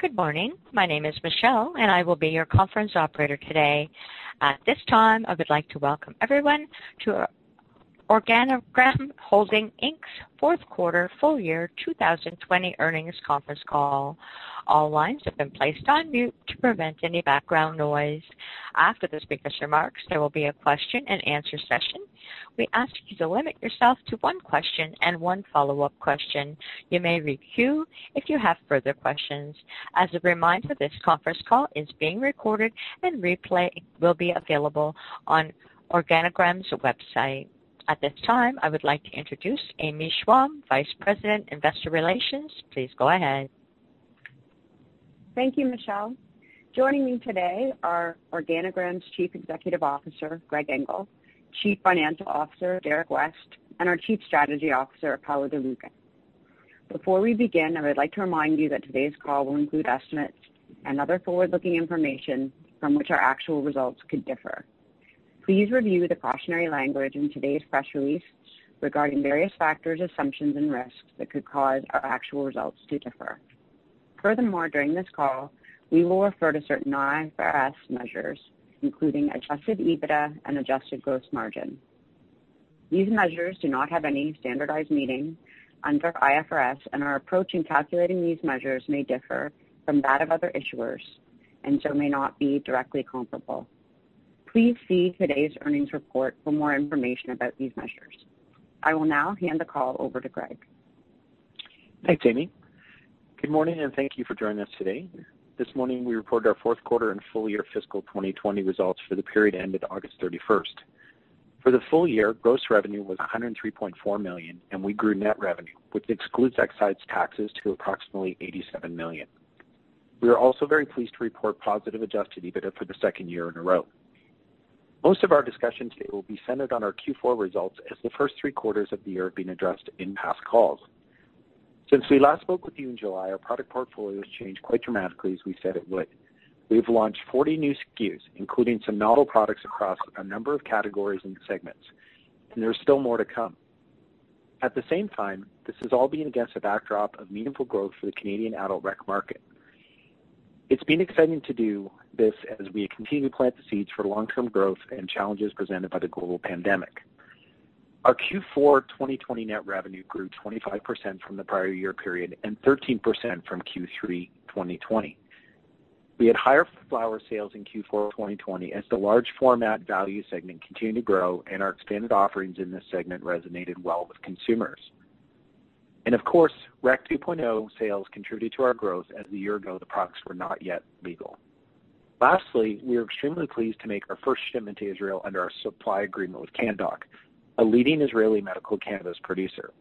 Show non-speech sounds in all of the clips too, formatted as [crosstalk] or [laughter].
Good morning. My name is Michelle, and I will be your conference operator today. At this time, I would like to welcome everyone to Organigram Holdings Inc.'s fourth quarter full year 2020 earnings conference call. All lines have been placed on mute to prevent any background noise. After the speaker's remarks, there will be a question and answer session. We ask you to limit yourself to one question and one follow-up question. You may queue if you have further questions. As a reminder, this conference call is being recorded and replay will be available on Organigram's website. At this time, I would like to introduce Amy Schwalm, Vice President, Investor Relations. Please go ahead. Thank you, Michelle. Joining me today are Organigram's Chief Executive Officer, Greg Engel, Chief Financial Officer, Derrick West, and our Chief Strategy Officer, Paolo De Luca. Before we begin, I would like to remind you that today's call will include estimates and other forward-looking information from which our actual results could differ. Please review the cautionary language in today's press release regarding various factors, assumptions, and risks that could cause our actual results to differ. Furthermore, during this call, we will refer to certain IFRS measures, including adjusted EBITDA and adjusted gross margin. These measures do not have any standardized meaning under IFRS, and our approach in calculating these measures may differ from that of other issuers, and so may not be directly comparable. Please see today's earnings report for more information about these measures. I will now hand the call over to Greg. Thanks, Amy. Good morning, and thank you for joining us today. This morning, we reported our fourth quarter and full year fiscal 2020 results for the period ended August 31st. For the full year, gross revenue was 103.4 million, and we grew net revenue, which excludes excise taxes, to approximately 87 million. We are also very pleased to report positive adjusted EBITDA for the second year in a row. Most of our discussion today will be centered on our Q4 results as the first three quarters of the year have been addressed in past calls. Since we last spoke with you in July, our product portfolio has changed quite dramatically, as we said it would. We've launched 40 new SKUs, including some novel products across a number of categories and segments, and there's still more to come. At the same time, this is all being against a backdrop of meaningful growth for the Canadian adult rec market. It's been exciting to do this as we continue to plant the seeds for long-term growth and challenges presented by the global pandemic. Our Q4 2020 net revenue grew 25% from the prior year period and 13% from Q3 2020. We had higher flower sales in Q4 2020 as the large format value segment continued to grow, and our expanded offerings in this segment resonated well with consumers, and of course, Rec 2.0 sales contributed to our growth as a year ago, the products were not yet legal. Lastly, we are extremely pleased to make our first shipment to Israel under our supply agreement with Canndoc, a leading Israeli medical cannabis producer.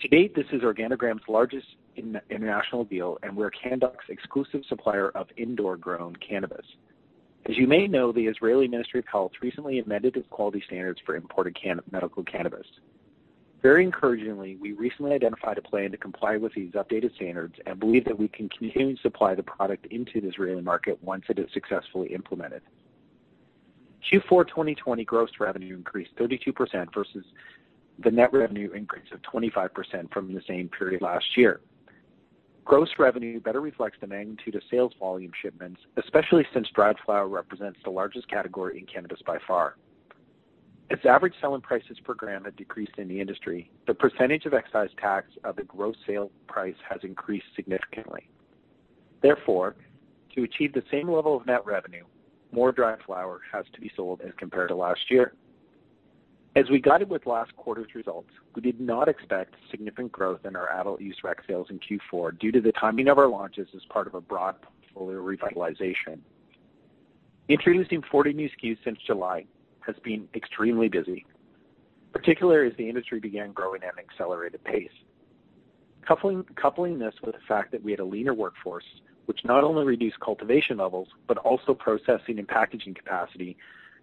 To date, this is Organigram's largest international deal, and we're Canndoc's exclusive supplier of indoor-grown cannabis. As you may know, the Israeli Ministry of Health recently amended its quality standards for imported medical cannabis. Very encouragingly, we recently identified a plan to comply with these updated standards and believe that we can continue to supply the product into the Israeli market once it is successfully implemented. Q4 2020 gross revenue increased 32% versus the net revenue increase of 25% from the same period last year. Gross revenue better reflects the magnitude of sales volume shipments, especially since dried flower represents the largest category in cannabis by far. As average selling prices per gram have decreased in the industry, the percentage of excise tax of the gross sale price has increased significantly. Therefore, to achieve the same level of net revenue, more dried flower has to be sold as compared to last year. As we guided with last quarter's results, we did not expect significant growth in our adult use rec sales in Q4 due to the timing of our launches as part of a broad portfolio revitalization. Introducing forty new SKUs since July has been extremely busy, particularly as the industry began growing at an accelerated pace. Coupling this with the fact that we had a leaner workforce, which not only reduced cultivation levels, but also processing and packaging capacity,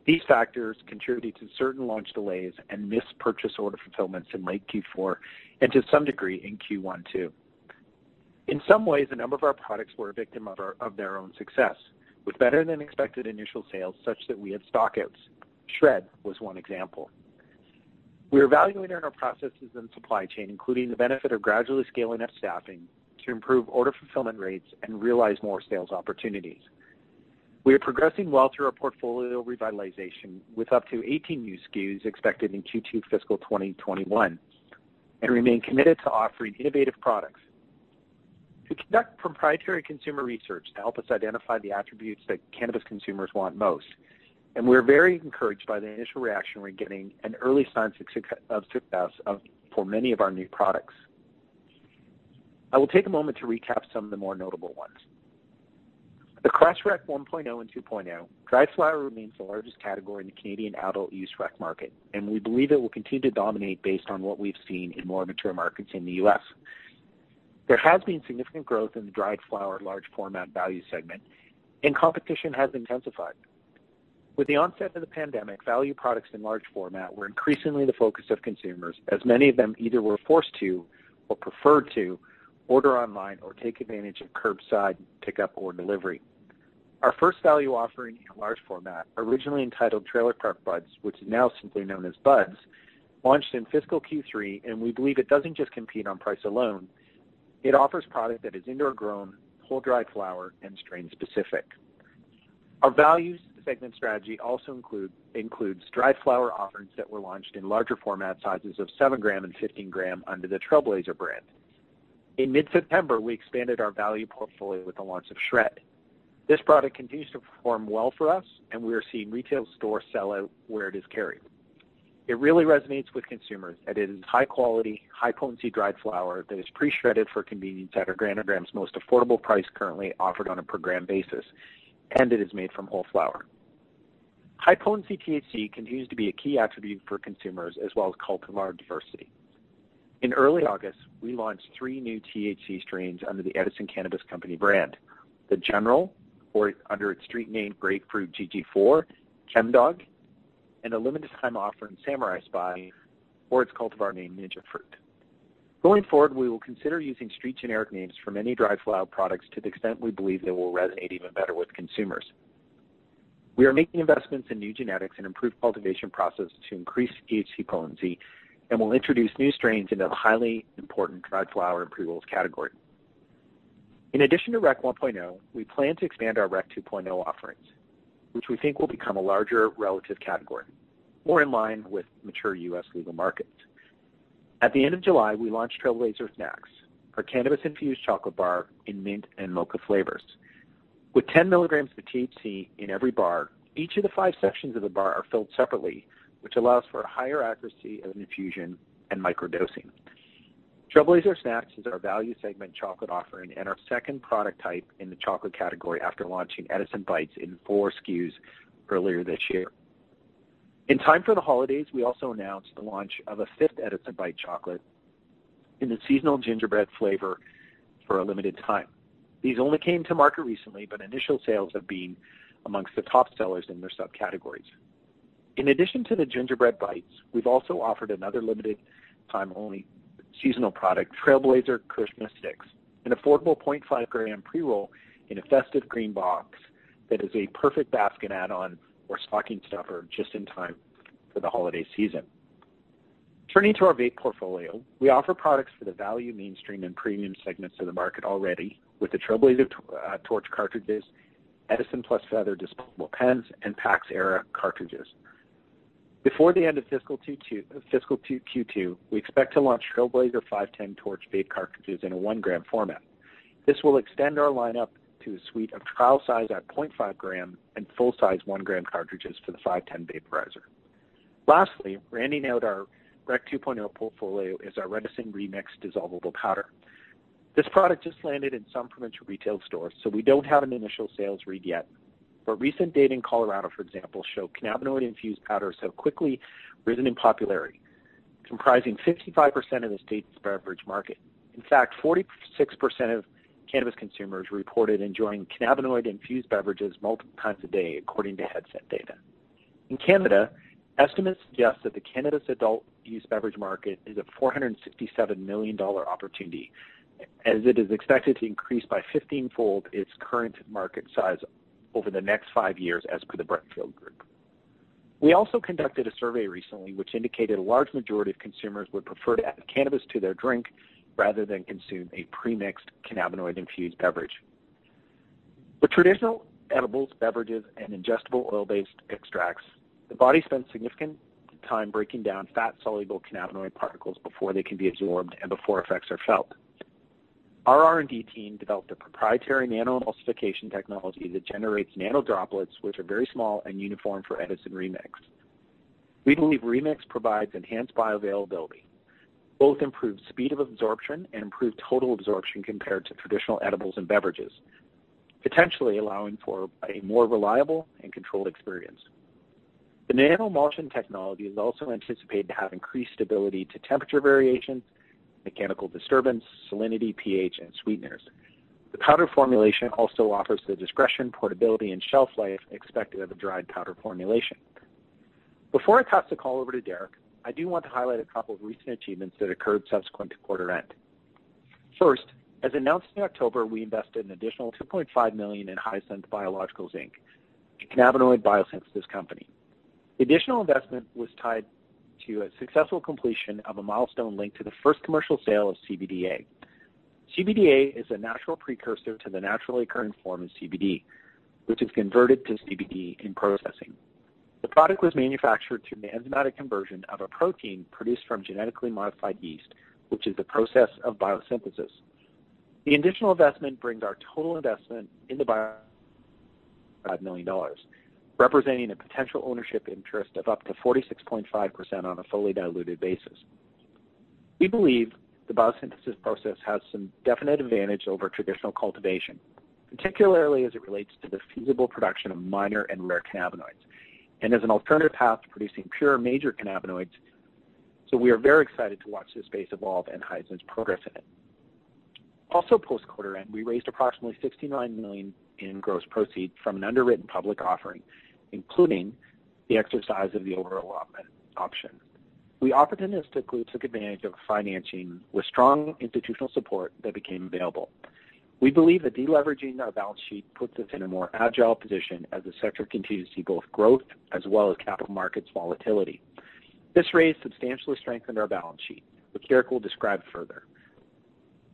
these factors contributed to certain launch delays and missed purchase order fulfillments in late Q4, and to some degree in Q1, too. In some ways, a number of our products were a victim of their own success, with better than expected initial sales such that we had stockouts. SHRED was one example. We are evaluating our processes and supply chain, including the benefit of gradually scaling up staffing, to improve order fulfillment rates and realize more sales opportunities. We are progressing well through our portfolio revitalization, with up to 18 new SKUs expected in Q2 fiscal 2021, and remain committed to offering innovative products. We conduct proprietary consumer research to help us identify the attributes that cannabis consumers want most, and we're very encouraged by the initial reaction we're getting and early signs of success for many of our new products. I will take a moment to recap some of the more notable ones. Across Rec 1.0 and 2.0, dried flower remains the largest category in the Canadian adult use rec market, and we believe it will continue to dominate based on what we've seen in more mature markets in the U.S. There has been significant growth in the dried flower large format value segment, and competition has intensified. With the onset of the pandemic, value products in large format were increasingly the focus of consumers, as many of them either were forced to or preferred to order online or take advantage of curbside pickup or delivery. Our first value offering in a large format, originally entitled Trailer Park Buds, which is now simply known as Buds, launched in fiscal Q3, and we believe it doesn't just compete on price alone. It offers product that is indoor grown, whole dried flower, and strain-specific. Our values segment strategy also includes dried flower offerings that were launched in larger format sizes of seven-gram and 15-gram under the Trailblazer brand. In mid-September, we expanded our value portfolio with the launch of SHRED. This product continues to perform well for us, and we are seeing retail store sell out where it is carried. It really resonates with consumers that it is high quality, high-potency dried flower that is pre-shredded for convenience at Organigram's most affordable price currently offered on a per gram basis, and it is made from whole flower. High-potency THC continues to be a key attribute for consumers as well as cultivar diversity. In early August, we launched three new THC strains under the Edison Cannabis Company brand, The General, or under its street name, Grapefruit GG4, Chemdog, and a limited time offering, Samurai Spy, or its cultivar name, Ninja Fruit. Going forward, we will consider using street generic names for many dried flower products to the extent we believe they will resonate even better with consumers. We are making investments in new genetics and improved cultivation processes to increase THC potency, and we'll introduce new strains into the highly important dried flower and pre-rolls category. In addition to Rec 1.0, we plan to expand our Rec 2.0 offerings, which we think will become a larger relative category, more in line with mature US legal markets. At the end of July, we launched Trailblazer Snax, our cannabis-infused chocolate bar in mint and mocha flavors. With 10 milligrams of THC in every bar, each of the five sections of the bar are filled separately, which allows for higher accuracy of infusion and microdosing. Trailblazer Snax is our value segment chocolate offering and our second product type in the chocolate category after launching Edison Bytes in four SKUs earlier this year. In time for the holidays, we also announced the launch of a fifth Edison Bytes chocolate in the seasonal gingerbread flavor for a limited time. These only came to market recently, but initial sales have been among the top sellers in their subcategories. In addition to the gingerbread Bytes, we've also offered another limited time-only seasonal product, Trailblazer Christmas Stix, an affordable 0.5 gram pre-roll in a festive green box that is a perfect basket add-on or stocking stuffer just in time for the holiday season. Turning to our vape portfolio, we offer products for the value, mainstream, and premium segments of the market already with the Trailblazer Torch cartridges, Edison Feather disposable pens, and PAX Era cartridges. Before the end of fiscal 2022 Q2, we expect to launch Trailblazer 510 Torch vape cartridges in a 1-gram format. This will extend our lineup to a suite of trial size at 0.5-gram and full-size 1-gram cartridges for the 510 vaporizer. Lastly, rounding out our Rec 2.0 portfolio is our Edison RE:MIX dissolvable powder. This product just landed in some provincial retail stores, so we don't have an initial sales read yet. But recent data in Colorado, for example, show cannabinoid-infused powders have quickly risen in popularity, comprising 55% of the state's beverage market. In fact, 46% of cannabis consumers reported enjoying cannabinoid-infused beverages multiple times a day, according to Headset data. In Canada, estimates suggest that the cannabis adult use beverage market is a 467 million dollar opportunity, as it is expected to increase by 15-fold its current market size over the next 5 years, as per The Brightfield Group. We also conducted a survey recently, which indicated a large majority of consumers would prefer to add cannabis to their drink rather than consume a pre-mixed cannabinoid-infused beverage. For traditional edibles, beverages, and ingestible oil-based extracts, the body spends significant time breaking down fat-soluble cannabinoid particles before they can be absorbed and before effects are felt. Our R&D team developed a proprietary nano-emulsification technology that generates nano droplets, which are very small and uniform for Edison RE:MIX. We believe RE:MIX provides enhanced bioavailability, both improved speed of absorption and improved total absorption compared to traditional edibles and beverages, potentially allowing for a more reliable and controlled experience. The nano-emulsion technology is also anticipated to have increased stability to temperature variations, mechanical disturbance, salinity, pH, and sweeteners. The powder formulation also offers the discretion, portability, and shelf life expected of a dried powder formulation. Before I pass the call over to Derrick, I do want to highlight a couple of recent achievements that occurred subsequent to quarter end. First, as announced in October, we invested an additional 2.5 million in Hyasynth Biologicals Inc., a cannabinoid biosynthesis company. The additional investment was tied to a successful completion of a milestone linked to the first commercial sale of CBDA. CBDA is a natural precursor to the naturally occurring form of CBD, which is converted to CBD in processing. The product was manufactured through the enzymatic conversion of a protein produced from genetically modified yeast, which is the process of biosynthesis. The additional investment brings our total investment in [audio distortion] to 5 million dollars, representing a potential ownership interest of up to 46.5% on a fully diluted basis. We believe the biosynthesis process has some definite advantage over traditional cultivation, particularly as it relates to the feasible production of minor and rare cannabinoids, and as an alternative path to producing pure major cannabinoids, so we are very excited to watch this space evolve and Hyasynth progress in it. Also, post-quarter end, we raised approximately 69 million in gross proceeds from an underwritten public offering, including the exercise of the over-allotment option. We opportunistically took advantage of financing with strong institutional support that became available. We believe that deleveraging our balance sheet puts us in a more agile position as the sector continues to see both growth as well as capital markets volatility. This raise substantially strengthened our balance sheet, which Derrick will describe further.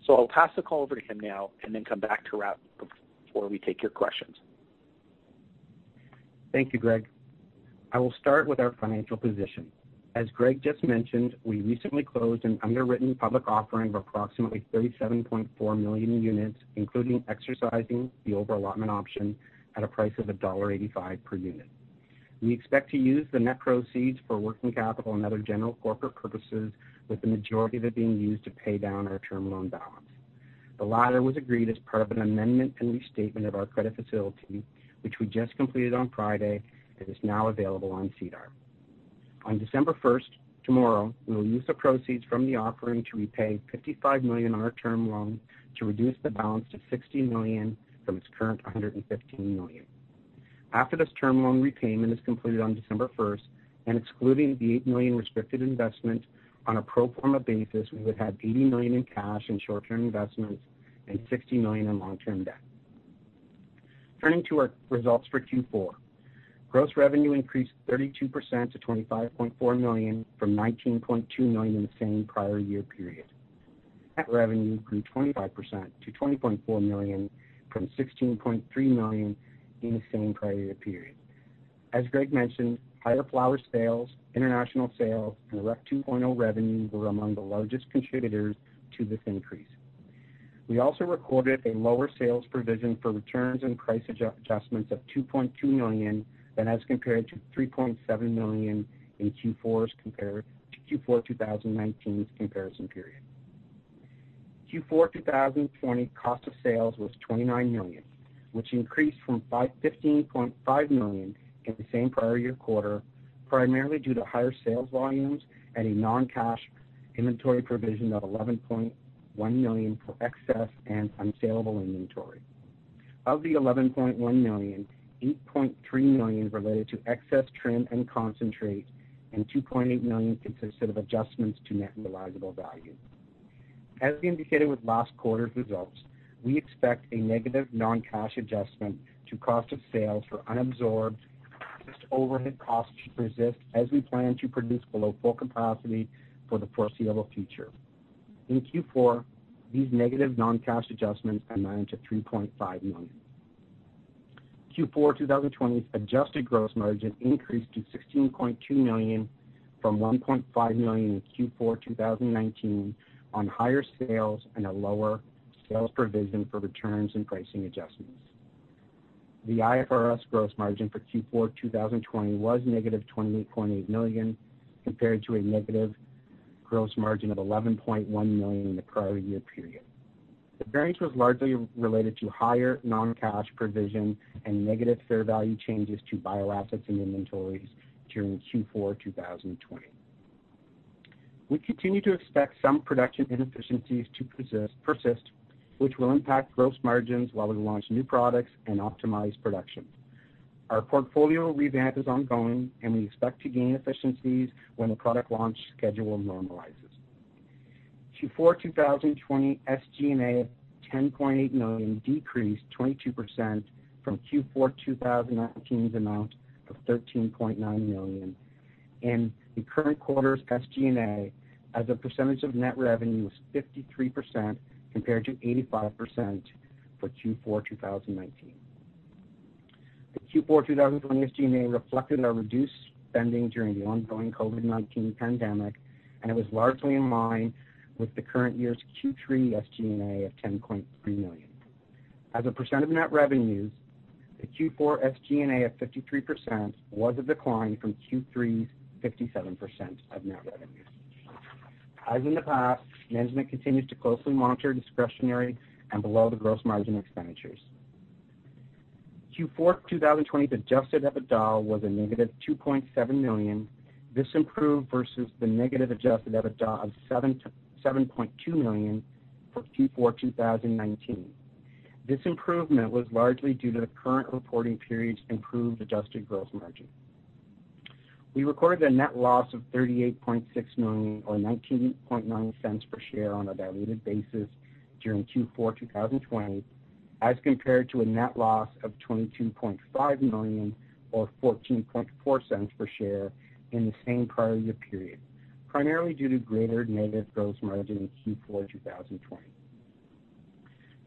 So I'll pass the call over to him now and then come back to wrap before we take your questions. Thank you, Greg. I will start with our financial position. As Greg just mentioned, we recently closed an underwritten public offering of approximately 37.4 million units, including exercising the over-allotment option at a price of dollar 1.85 per unit. We expect to use the net proceeds for working capital and other general corporate purposes, with the majority of it being used to pay down our term loan balance. The latter was agreed as part of an amendment and restatement of our credit facility, which we just completed on Friday and is now available on SEDAR. On December first, tomorrow, we will use the proceeds from the offering to repay 55 million on our term loan to reduce the balance to 60 million from its current 115 million. After this term loan repayment is completed on December first and excluding the 8 million restricted investment, on a pro forma basis, we would have 80 million in cash and short-term investments and 60 million in long-term debt. Turning to our results for Q4. Gross revenue increased 32% to 25.4 million, from 19.2 million in the same prior year period. Net revenue grew 25% to 20.4 million, from 16.3 million in the same prior year period. As Greg mentioned, higher flower sales, international sales, and the Rec 2.0 revenue were among the largest contributors to this increase. We also recorded a lower sales provision for returns and price adjustments of 2.2 million, and as compared to 3.7 million in Q4 as compared to Q4 2019's comparison period. Q4 2020 cost of sales was 29 million, which increased from 15.5 million in the same prior year quarter, primarily due to higher sales volumes and a non-cash inventory provision of 11.1 million for excess and unsaleable inventory. Of the 11.1 million, 8.3 million related to excess trim and concentrate, and 2.8 million consisted of adjustments to net realizable value. As we indicated with last quarter's results, we expect a negative non-cash adjustment to cost of sales for unabsorbed fixed overhead costs to persist as we plan to produce below full capacity for the foreseeable future. In Q4, these negative non-cash adjustments amounted to 3.5 million. Q4 2020's adjusted gross margin increased to 16.2 million from 1.5 million in Q4 2019, on higher sales and a lower sales provision for returns and pricing adjustments. The IFRS gross margin for Q4 2020 was negative 20.8 million, compared to a negative gross margin of 11.1 million in the prior year period. The variance was largely related to higher non-cash provision and negative fair value changes to bio-assets and inventories during Q4 2020. We continue to expect some production inefficiencies to persist, which will impact gross margins while we launch new products and optimize production. Our portfolio revamp is ongoing, and we expect to gain efficiencies when the product launch schedule normalizes. Q4 2020 SG&A of 10.8 million decreased 22% from Q4 2019's amount of 13.9 million, and the current quarter's SG&A as a percentage of net revenue was 53%, compared to 85% for Q4 2019. The Q4 2020 SG&A reflected our reduced spending during the ongoing COVID-19 pandemic, and it was largely in line with the current year's Q3 SG&A of 10.3 million. As a percent of net revenues, the Q4 SG&A of 53% was a decline from Q3's 57% of net revenue. As in the past, management continues to closely monitor discretionary and below the gross margin expenditures. Q4 2020's adjusted EBITDA was a negative 2.7 million. This improved versus the negative adjusted EBITDA of 7.2 million for Q4 2019. This improvement was largely due to the current reporting period's improved adjusted gross margin. We recorded a net loss of 38.6 million, or 0.199 per share on a diluted basis during Q4 2020, as compared to a net loss of 22.5 million, or 0.144 per share in the same prior year period, primarily due to greater negative gross margin in Q4 2020.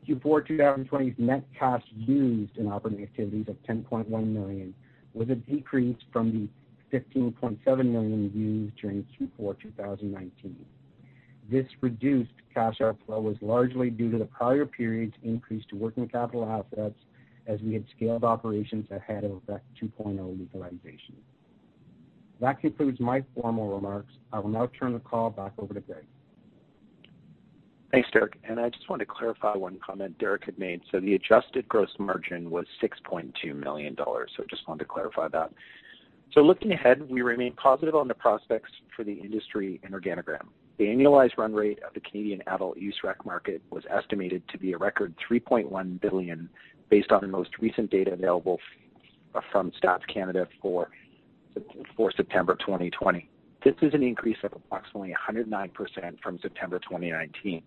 Q4 2020's net cash used in operating activities of 10.1 million was a decrease from the 15.7 million used during Q4 2019. This reduced cash outflow was largely due to the prior period's increase to working capital assets, as we had scaled operations ahead of Rec 2.0 legalization. That concludes my formal remarks. I will now turn the call back over to Greg. Thanks, Derrick, and I just want to clarify one comment Derrick had made. So the adjusted gross margin was 6.2 million dollars, so just wanted to clarify that. So looking ahead, we remain positive on the prospects for the industry and Organigram. The annualized run rate of the Canadian adult use rec market was estimated to be a record 3.1 billion, based on the most recent data available from Stats Canada for September 2020. This is an increase of approximately 109% from September 2019.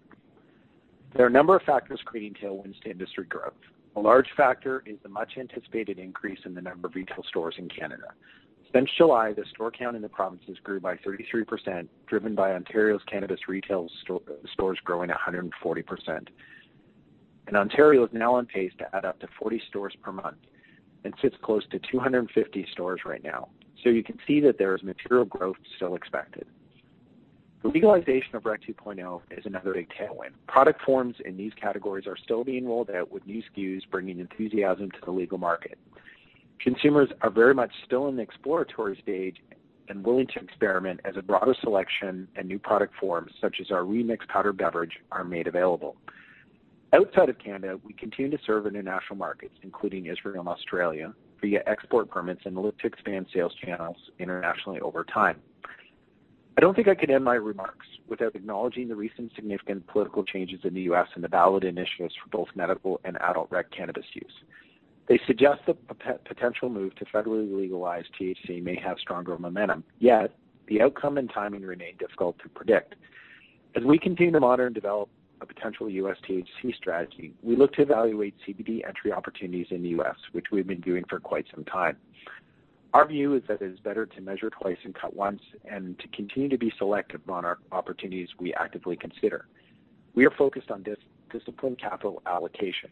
There are a number of factors creating tailwind to industry growth. A large factor is the much-anticipated increase in the number of retail stores in Canada. Since July, the store count in the provinces grew by 33%, driven by Ontario's cannabis retail stores growing 140%. Ontario is now on pace to add up to 40 stores per month and sits close to 250 stores right now, so you can see that there is material growth still expected. The legalization of Rec 2.0 is another big tailwind. Product forms in these categories are still being rolled out, with new SKUs bringing enthusiasm to the legal market. Consumers are very much still in the exploratory stage and willing to experiment as a broader selection and new product forms, such as our RE:MIX powder beverage, are made available. Outside of Canada, we continue to serve international markets, including Israel and Australia, via export permits, and look to expand sales channels internationally over time. I don't think I could end my remarks without acknowledging the recent significant political changes in the U.S. and the ballot initiatives for both medical and adult rec cannabis use. They suggest the potential move to federally legalize THC may have stronger momentum, yet the outcome and timing remain difficult to predict. As we continue to monitor and develop a potential U.S. THC strategy, we look to evaluate CBD entry opportunities in the U.S., which we've been doing for quite some time. Our view is that it is better to measure twice and cut once, and to continue to be selective on our opportunities we actively consider. We are focused on discipline, capital allocation.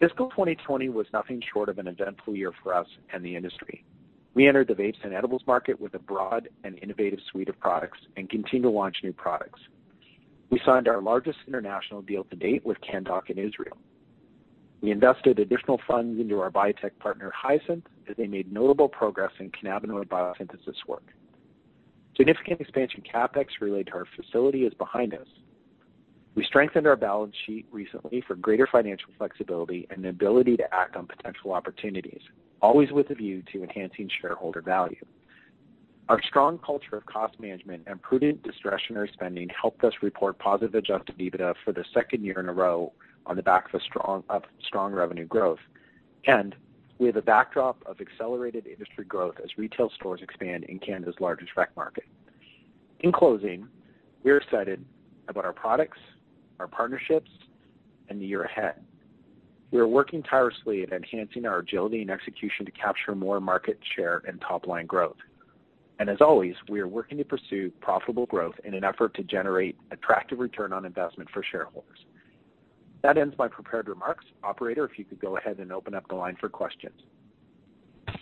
Fiscal 2020 was nothing short of an eventful year for us and the industry. We entered the vapes and edibles market with a broad and innovative suite of products and continue to launch new products. We signed our largest international deal to date with Canndoc in Israel. We invested additional funds into our biotech partner, Hyasynth, as they made notable progress in cannabinoid biosynthesis work. Significant expansion CapEx related to our facility is behind us. We strengthened our balance sheet recently for greater financial flexibility and the ability to act on potential opportunities, always with a view to enhancing shareholder value. Our strong culture of cost management and prudent discretionary spending helped us report positive Adjusted EBITDA for the second year in a row on the back of a strong revenue growth, and we have a backdrop of accelerated industry growth as retail stores expand in Canada's largest rec market. In closing, we are excited about our products, our partnerships, and the year ahead. We are working tirelessly at enhancing our agility and execution to capture more market share and top-line growth, and as always, we are working to pursue profitable growth in an effort to generate attractive return on investment for shareholders. That ends my prepared remarks. Operator, if you could go ahead and open up the line for questions.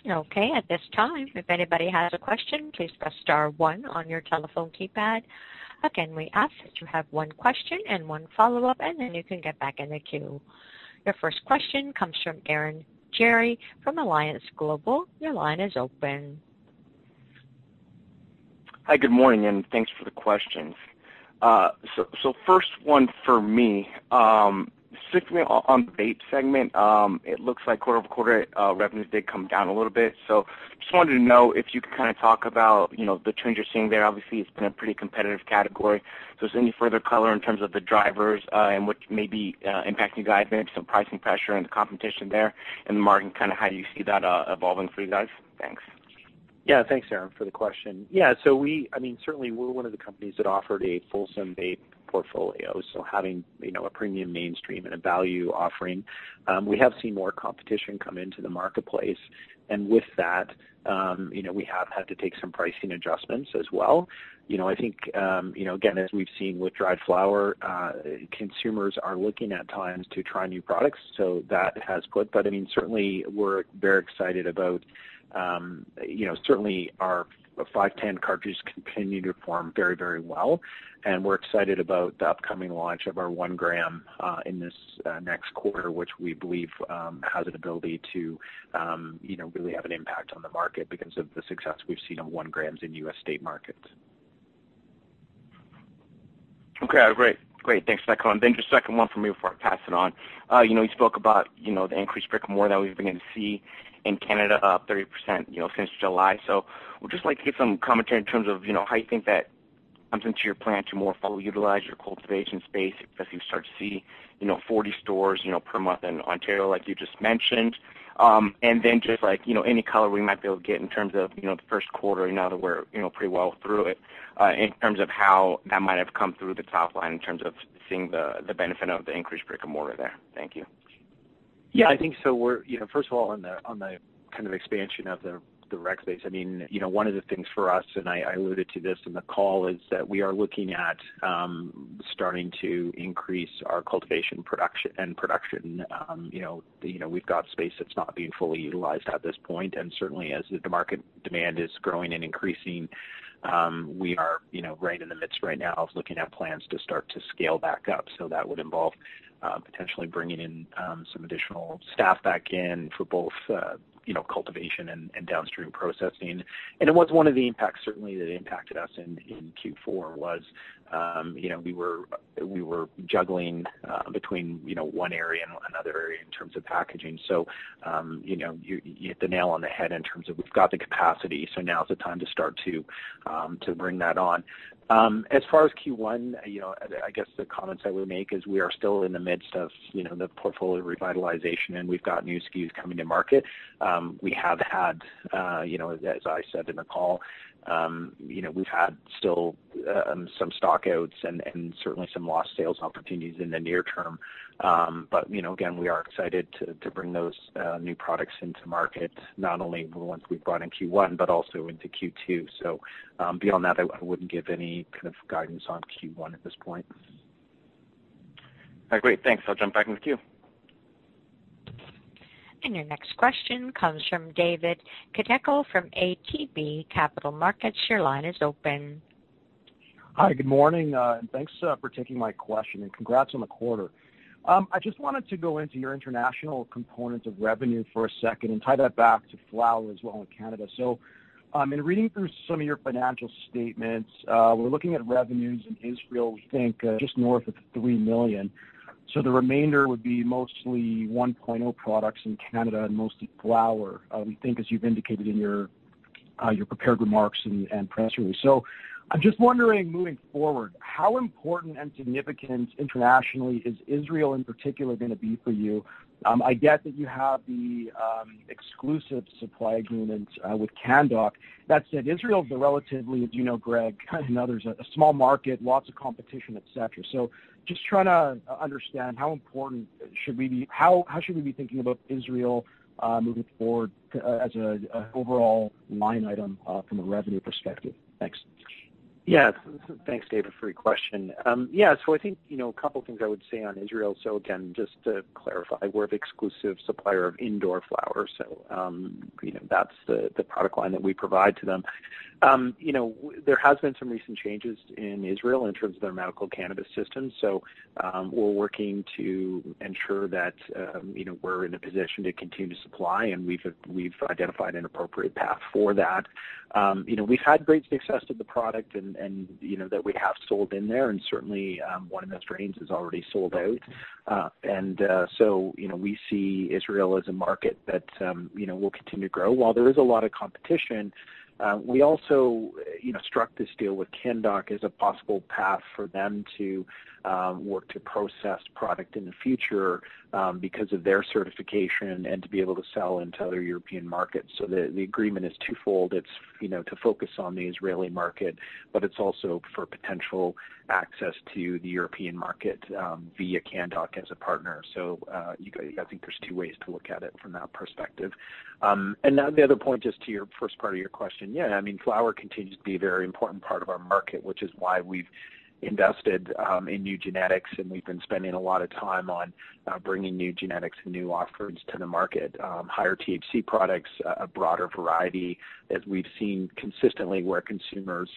Okay. At this time, if anybody has a question, please press star one on your telephone keypad. Again, we ask that you have one question and one follow-up, and then you can get back in the queue. Your first question comes from Aaron Grey from Alliance Global Partners. Your line is open. Hi, good morning, and thanks for the questions. So first one for me, strictly on the vape segment, it looks like quarter-over-quarter, revenues did come down a little bit. So just wanted to know if you could kind of talk about, you know, the trends you're seeing there. Obviously, it's been a pretty competitive category, so just any further color in terms of the drivers, and which may be impacting guidance, some pricing pressure and the competition there, and the margin, kind of how do you see that evolving for you guys? Thanks. Yeah. Thanks, Aaron, for the question. Yeah, so I mean, certainly, we're one of the companies that offered a fulsome vape portfolio, so having, you know, a premium mainstream and a value offering. We have seen more competition come into the marketplace, and with that, you know, we have had to take some pricing adjustments as well. You know, I think, you know, again, as we've seen with dried flower, consumers are looking at times to try new products, so that has put... But, I mean, certainly, we're very excited about, you know, certainly our 510 cartridges continue to perform very, very well, and we're excited about the upcoming launch of our one gram in this next quarter, which we believe has an ability to, you know, really have an impact on the market because of the success we've seen on one grams in U.S. state markets. Okay, great. Great. Thanks for that comment. Then just second one from me before I pass it on. You know, you spoke about, you know, the increased brick-and-mortar that we've begun to see in Canada, up 30%, you know, since July. So would just like to get some commentary in terms of, you know, how you think that comes into your plan to more fully utilize your cultivation space as you start to see, you know, 40 stores, you know, per month in Ontario, like you just mentioned. And then just like, you know, any color we might be able to get in terms of, you know, the first quarter, now that we're, you know, pretty well through it, in terms of how that might have come through the top line in terms of seeing the, the benefit of the increased brick-and-mortar there. Thank you. Yeah, I think so. We're you know, first of all, on the kind of expansion of the rec space. I mean, you know, one of the things for us, and I alluded to this in the call, is that we are looking at starting to increase our cultivation, production, and production. You know, we've got space that's not being fully utilized at this point, and certainly as the market demand is growing and increasing, we are you know, right in the midst right now of looking at plans to start to scale back up. So that would involve potentially bringing in some additional staff back in for both, you know, cultivation and downstream processing. And it was one of the impacts, certainly, that impacted us in Q4 was, you know, we were juggling between, you know, one area and another area in terms of packaging. So, you know, you hit the nail on the head in terms of we've got the capacity, so now is the time to start to bring that on. As far as Q1, you know, I guess the comments that we make is we are still in the midst of, you know, the portfolio revitalization, and we've got new SKUs coming to market. We have had, you know, as I said in the call, you know, we've had still some stock outs and certainly some lost sales opportunities in the near term. But, you know, again, we are excited to bring those new products into market, not only the ones we've brought in Q1, but also into Q2. So, beyond that, I wouldn't give any kind of guidance on Q1 at this point. Great, thanks. I'll jump back in the queue. And your next question comes from David Kideckel from ATB Capital Markets. Your line is open. Hi, good morning, and thanks for taking my question, and congrats on the quarter. I just wanted to go into your international component of revenue for a second and tie that back to flower as well in Canada. In reading through some of your financial statements, we're looking at revenues in Israel, we think, just north of 3 million. So the remainder would be mostly 1.0 products in Canada and mostly flower, we think, as you've indicated in your prepared remarks and press release. I'm just wondering, moving forward, how important and significant internationally is Israel, in particular, gonna be for you? I get that you have the exclusive supply agreement with Canndoc. That said, Israel is a relatively, as you know, Greg, and others, a small market, lots of competition, et cetera. So just trying to understand how should we be thinking about Israel moving forward as a overall line item from a revenue perspective? Thanks. Yes. Thanks, David, for your question. Yeah, so I think, you know, a couple things I would say on Israel. So again, just to clarify, we're the exclusive supplier of indoor flowers. So, you know, that's the product line that we provide to them. You know, there has been some recent changes in Israel in terms of their medical cannabis system. So, we're working to ensure that, you know, we're in a position to continue to supply, and we've identified an appropriate path for that. You know, we've had great success with the product and, you know, that we have sold in there, and certainly, one of the strains is already sold out. And, so, you know, we see Israel as a market that, you know, will continue to grow. While there is a lot of competition, we also, you know, struck this deal with Canndoc as a possible path for them to work to process product in the future, because of their certification and to be able to sell into other European markets. So the agreement is twofold. It's, you know, to focus on the Israeli market, but it's also for potential access to the European market, via Canndoc as a partner. So you, I think there's two ways to look at it from that perspective. And now the other point, just to your first part of your question. Yeah, I mean, flower continues to be a very important part of our market, which is why we've invested in new genetics, and we've been spending a lot of time on bringing new genetics and new offerings to the market. Higher THC products, a broader variety as we've seen consistently, where consumers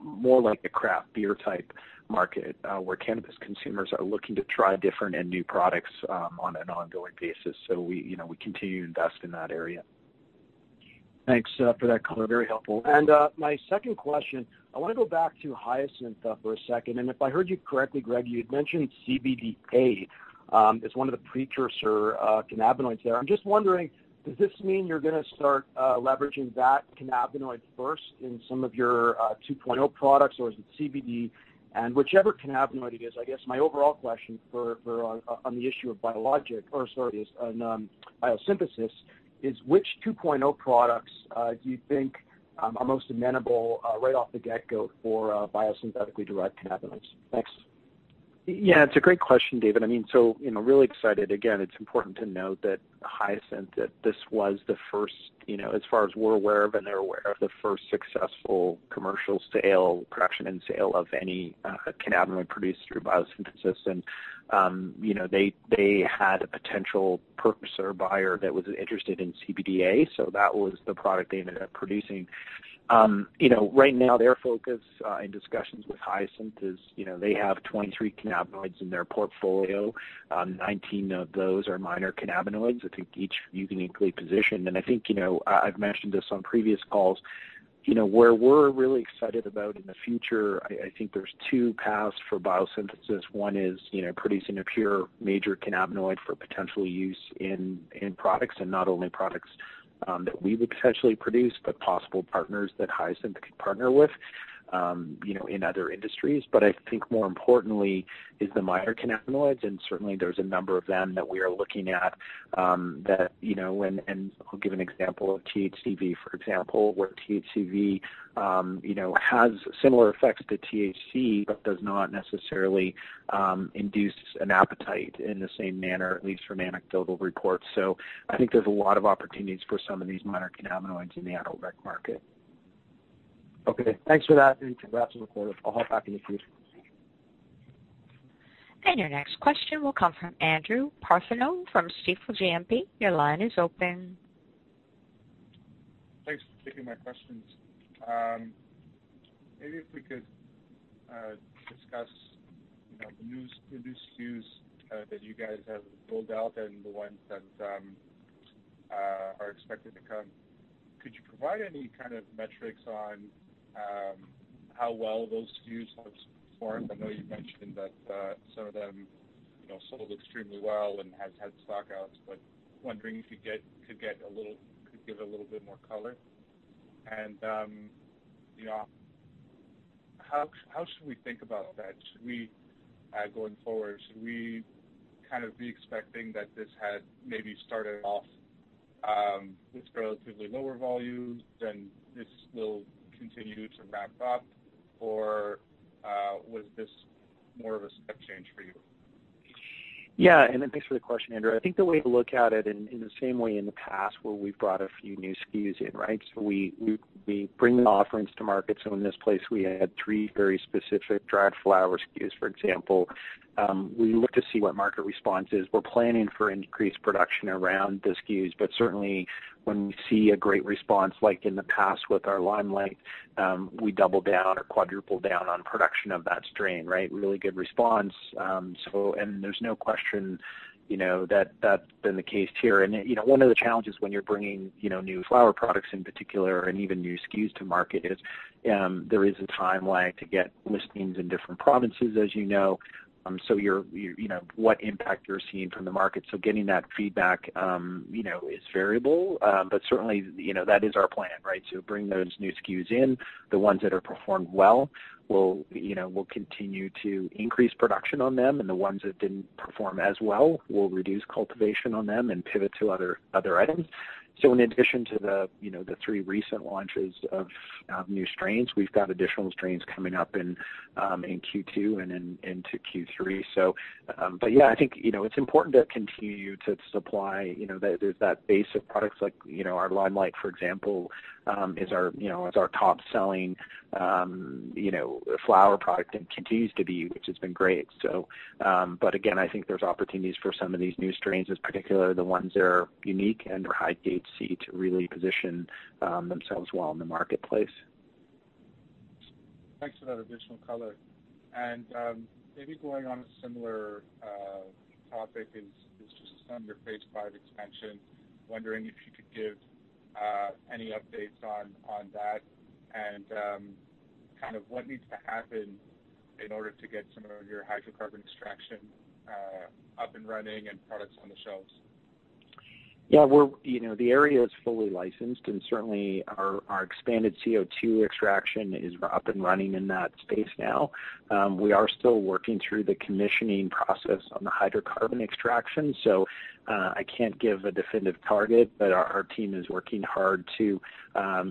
more like a craft beer type market, where cannabis consumers are looking to try different and new products on an ongoing basis. So we, you know, we continue to invest in that area. Thanks for that color. Very helpful. And my second question, I wanna go back to Hyasynth for a second, and if I heard you correctly, Greg, you'd mentioned CBDA as one of the precursor cannabinoids there. I'm just wondering, does this mean you're gonna start leveraging that cannabinoid first in some of your 2.0 products, or is it CBD? And whichever cannabinoid it is, I guess my overall question is on Biosynthesis, is which 2.0 products do you think are most amenable right off the get-go for biosynthetically derived cannabinoids? Thanks. Yeah, it's a great question, David. I mean, so, you know, really excited. Again, it's important to note that Hyasynth, that this was the first, you know, as far as we're aware of and they're aware of, the first successful commercial sale, production and sale of any, cannabinoid produced through biosynthesis. And you know, they had a potential purchaser or buyer that was interested in CBDA, so that was the product they ended up producing. You know, right now, their focus in discussions with Hyasynth is, you know, they have 23 cannabinoids in their portfolio. Nineteen of those are minor cannabinoids, I think each uniquely positioned. And I think, you know, I've mentioned this on previous calls, you know, where we're really excited about in the future, I think there's two paths for biosynthesis. One is, you know, producing a pure major cannabinoid for potential use in products, and not only products that we would potentially produce, but possible partners that Hyasynth could partner with, you know, in other industries. But I think more importantly is the minor cannabinoids, and certainly there's a number of them that we are looking at, you know, and I'll give an example of THCV, for example, where THCV, you know, has similar effects to THC, but does not necessarily induce an appetite in the same manner, at least from anecdotal reports. So I think there's a lot of opportunities for some of these minor cannabinoids in the adult rec market. Okay, thanks for that, and congrats on the quarter. I'll hop back in the queue. And your next question will come from Andrew Partheniou from Stifel GMP. Your line is open. Thanks for taking my questions. Maybe if we could discuss, you know, the new SKUs that you guys have rolled out and the ones that are expected to come. Could you provide any kind of metrics on how well those SKUs have performed? I know you mentioned that some of them, you know, sold extremely well and have had stockouts, but wondering if you could give a little bit more color. And you know how should we think about that? Should we, going forward, kind of be expecting that this had maybe started off with relatively lower volumes, then this will continue to ramp up, or was this more of a step change for you? Yeah, and thanks for the question, Andrew. I think the way to look at it in the same way in the past where we've brought a few new SKUs in, right? So we bring the offerings to market, so in this place, we had three very specific dried flower SKUs, for example. We look to see what market response is. We're planning for increased production around the SKUs, but certainly, when we see a great response like in the past with our Limelight, we double down or quadruple down on production of that strain, right? Really good response. So, and there's no question, you know, that that's been the case here. You know, one of the challenges when you're bringing, you know, new flower products in particular, and even new SKUs to market is, there is a timeline to get listings in different provinces, as you know, so you know what impact you're seeing from the market, so getting that feedback, you know, is variable, but certainly, you know, that is our plan, right, so bring those new SKUs in. The ones that are performed well, we'll, you know, we'll continue to increase production on them, and the ones that didn't perform as well, we'll reduce cultivation on them and pivot to other items, so in addition to the, you know, the three recent launches of new strains, we've got additional strains coming up in Q2 and into Q3. So, but yeah, I think, you know, it's important to continue to supply, you know, that there's that base of products like, you know, our Limelight, for example, is our, you know, is our top-selling, you know, flower product and continues to be, which has been great. But again, I think there's opportunities for some of these new strains, in particular, the ones that are unique and are high THC to really position themselves well in the marketplace. Thanks for that additional color. And, maybe going on a similar topic is just on your phase five expansion. Wondering if you could give any updates on that, and kind of what needs to happen in order to get some of your hydrocarbon extraction up and running and products on the shelves. Yeah, we're you know, the area is fully licensed, and certainly our expanded CO2 extraction is up and running in that space now. We are still working through the commissioning process on the hydrocarbon extraction, so I can't give a definitive target, but our team is working hard to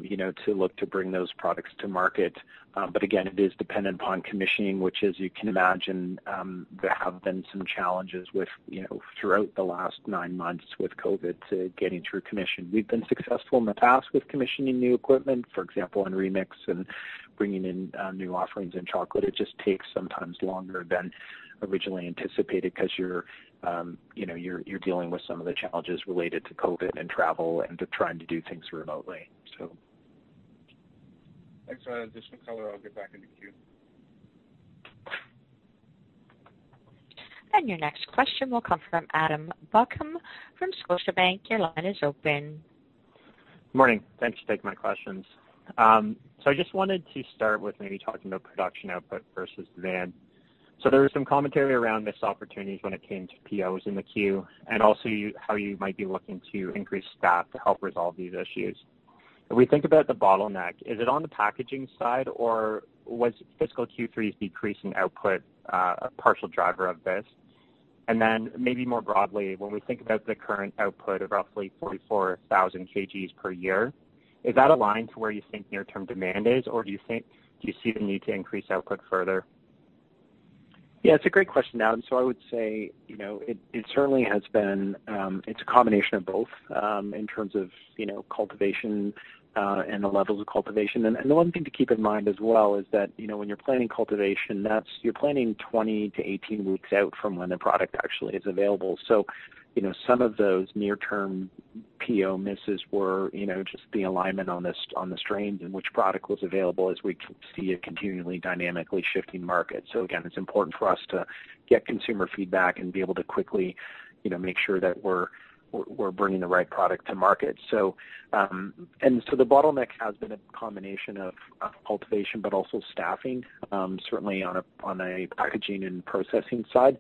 you know, to look to bring those products to market. But again, it is dependent upon commissioning, which as you can imagine, there have been some challenges with you know, throughout the last nine months with COVID to getting through commission. We've been successful in the past with commissioning new equipment, for example, on RE:MIX and bringing in new offerings in chocolate. It just takes sometimes longer than originally anticipated, 'cause you're, you know, dealing with some of the challenges related to COVID and travel and to trying to do things remotely, so. Thanks for that additional color. I'll get back in the queue. And your next question will come from Adam Buckham from Scotiabank. Your line is open. Morning. Thanks for taking my questions. So I just wanted to start with maybe talking about production output versus demand. So there was some commentary around missed opportunities when it came to POs in the queue, and also how you might be looking to increase staff to help resolve these issues. When we think about the bottleneck, is it on the packaging side, or was fiscal Q3's decreasing output a partial driver of this? And then, maybe more broadly, when we think about the current output of roughly 44,000 kg per year, is that aligned to where you think near-term demand is, or do you see the need to increase output further? Yeah, it's a great question, Adam. So I would say, you know, it certainly has been. It's a combination of both, in terms of, you know, cultivation, and the levels of cultivation. And the one thing to keep in mind as well is that, you know, when you're planning cultivation, that's you're planning twenty to eighteen weeks out from when the product actually is available. So, you know, some of those near-term PO misses were, you know, just the alignment on the, on the strains in which product was available as we see a continually dynamically shifting market. So again, it's important for us to get consumer feedback and be able to quickly, you know, make sure that we're bringing the right product to market. The bottleneck has been a combination of cultivation, but also staffing, certainly on a packaging and processing side.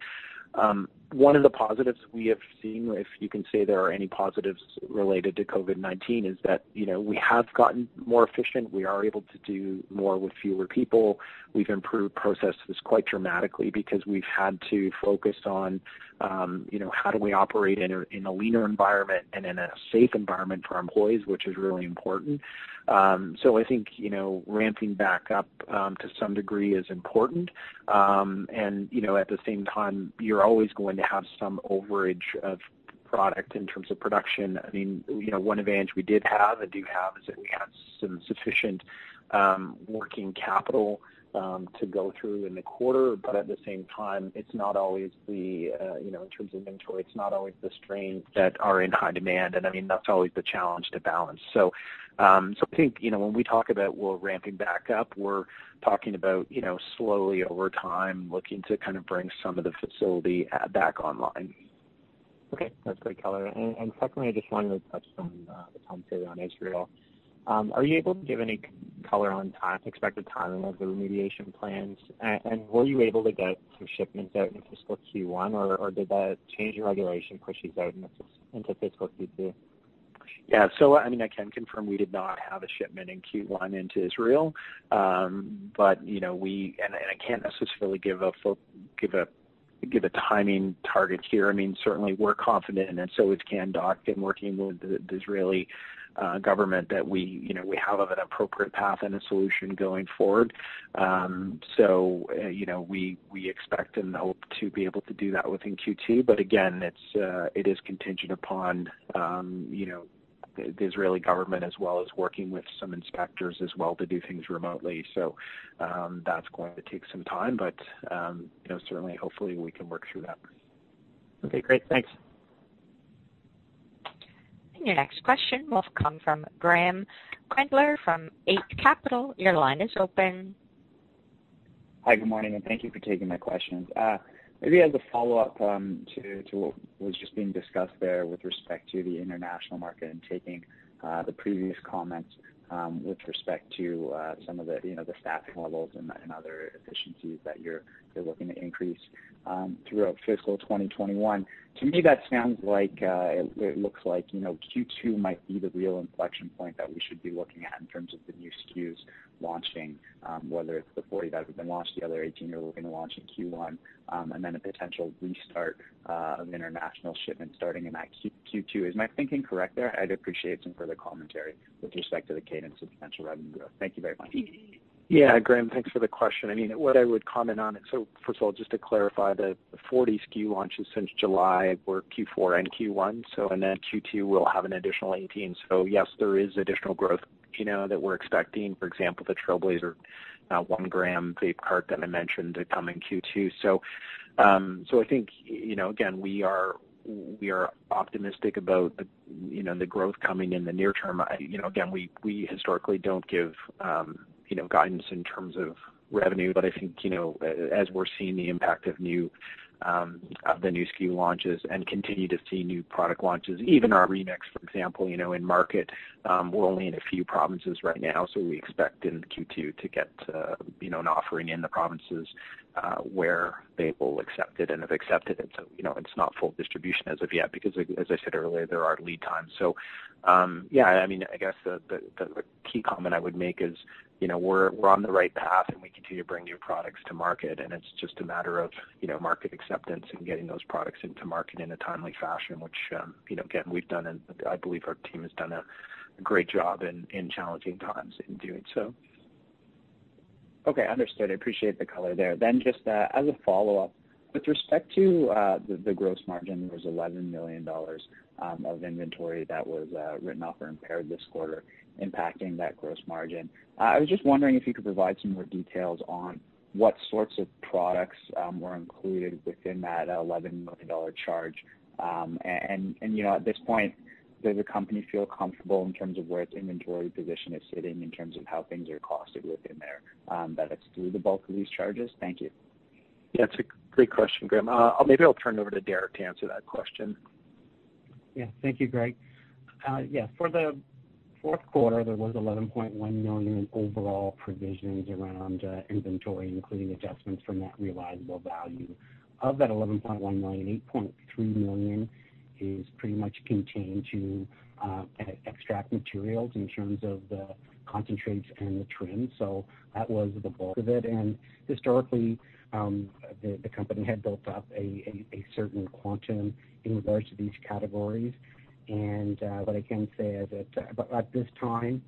One of the positives we have seen, if you can say there are any positives related to COVID-19, is that, you know, we have gotten more efficient. We are able to do more with fewer people. We've improved processes quite dramatically because we've had to focus on, you know, how do we operate in a leaner environment and in a safe environment for our employees, which is really important. I think, you know, ramping back up to some degree is important. You know, at the same time, you're always going to have some overage of product in terms of production. I mean, you know, one advantage we did have and do have is that we had some sufficient working capital to go through in the quarter, but at the same time, it's not always the, you know, in terms of inventory, it's not always the strains that are in high demand. And I mean, that's always the challenge to balance. So, so I think, you know, when we talk about we're ramping back up, we're talking about, you know, slowly over time, looking to kind of bring some of the facility back online. Okay, that's great color. And secondly, I just wanted to touch on the commentary on Israel. Are you able to give any color on expected timing of the remediation plans? And were you able to get some shipments out in fiscal Q1, or did that change in regulation push these out into fiscal Q2? Yeah. So I mean, I can confirm we did not have a shipment in Q1 into Israel. But you know, and I can't necessarily give a timing target here. I mean, certainly we're confident, and so is Canndoc in working with the Israeli government that we, you know, we have an appropriate path and a solution going forward. So you know, we expect and hope to be able to do that within Q2. But again, it is contingent upon you know, the Israeli government as well as working with some inspectors as well to do things remotely. So that's going to take some time, but you know, certainly, hopefully we can work through that. Okay, great. Thanks. Your next question will come from Graeme Kreindler from Eight Capital. Your line is open. Hi, good morning, and thank you for taking my questions. Maybe as a follow-up to what was just being discussed there with respect to the international market and taking the previous comments with respect to some of the, you know, the staffing levels and other efficiencies that you're looking to increase throughout fiscal 2021. To me, that sounds like it looks like, you know, Q2 might be the real inflection point that we should be looking at in terms of the new SKUs launching, whether it's the 40 that have been launched, the other 18 you're looking to launch in Q1, and then a potential restart of international shipments starting in that Q2. Is my thinking correct there? I'd appreciate some further commentary with respect to the cadence of potential revenue growth. Thank you very much. Yeah, Graeme, thanks for the question. I mean, what I would comment on it. So first of all, just to clarify, the 40 SKU launches since July were Q4 and Q1, so and then Q2 will have an additional 18. So yes, there is additional growth, you know, that we're expecting. For example, the Trailblazer 1-gram vape cart that I mentioned to come in Q2. So I think, you know, again, we are optimistic about, you know, the growth coming in the near term. You know, again, we historically don't give, you know, guidance in terms of revenue. But I think, you know, as we're seeing the impact of new, of the new SKU launches and continue to see new product launches, even our RE:MIX, for example, you know, in market, we're only in a few provinces right now, so we expect in Q2 to get, you know, an offering in the provinces, where they will accept it and have accepted it. So, you know, it's not full distribution as of yet, because as I said earlier, there are lead times. Yeah, I mean, I guess the key comment I would make is, you know, we're on the right path, and we continue to bring new products to market, and it's just a matter of, you know, market acceptance and getting those products into market in a timely fashion, which, you know, again, we've done and I believe our team has done a great job in challenging times in doing so. Okay, understood. I appreciate the color there. Then just, as a follow-up, with respect to, the, the gross margin, there was 11 million dollars of inventory that was written off or impaired this quarter, impacting that gross margin. I was just wondering if you could provide some more details on what sorts of products were included within that 11-million-dollar charge. And, you know, at this point, does the company feel comfortable in terms of where its inventory position is sitting in terms of how things are costed within there, that it's through the bulk of these charges? Thank you. Yeah, it's a great question, Graeme. Maybe I'll turn it over to Derrick to answer that question. Yeah. Thank you, Greg. Yeah, for the fourth quarter, there was 11.1 million in overall provisions around inventory, including adjustments from that realizable value. Of that 11.1 million, 8.3 million is pretty much contained to extract materials in terms of the concentrates and the trim. So that was the bulk of it. And historically, the company had built up a certain quantum in regards to these categories. And what I can say is that at this time,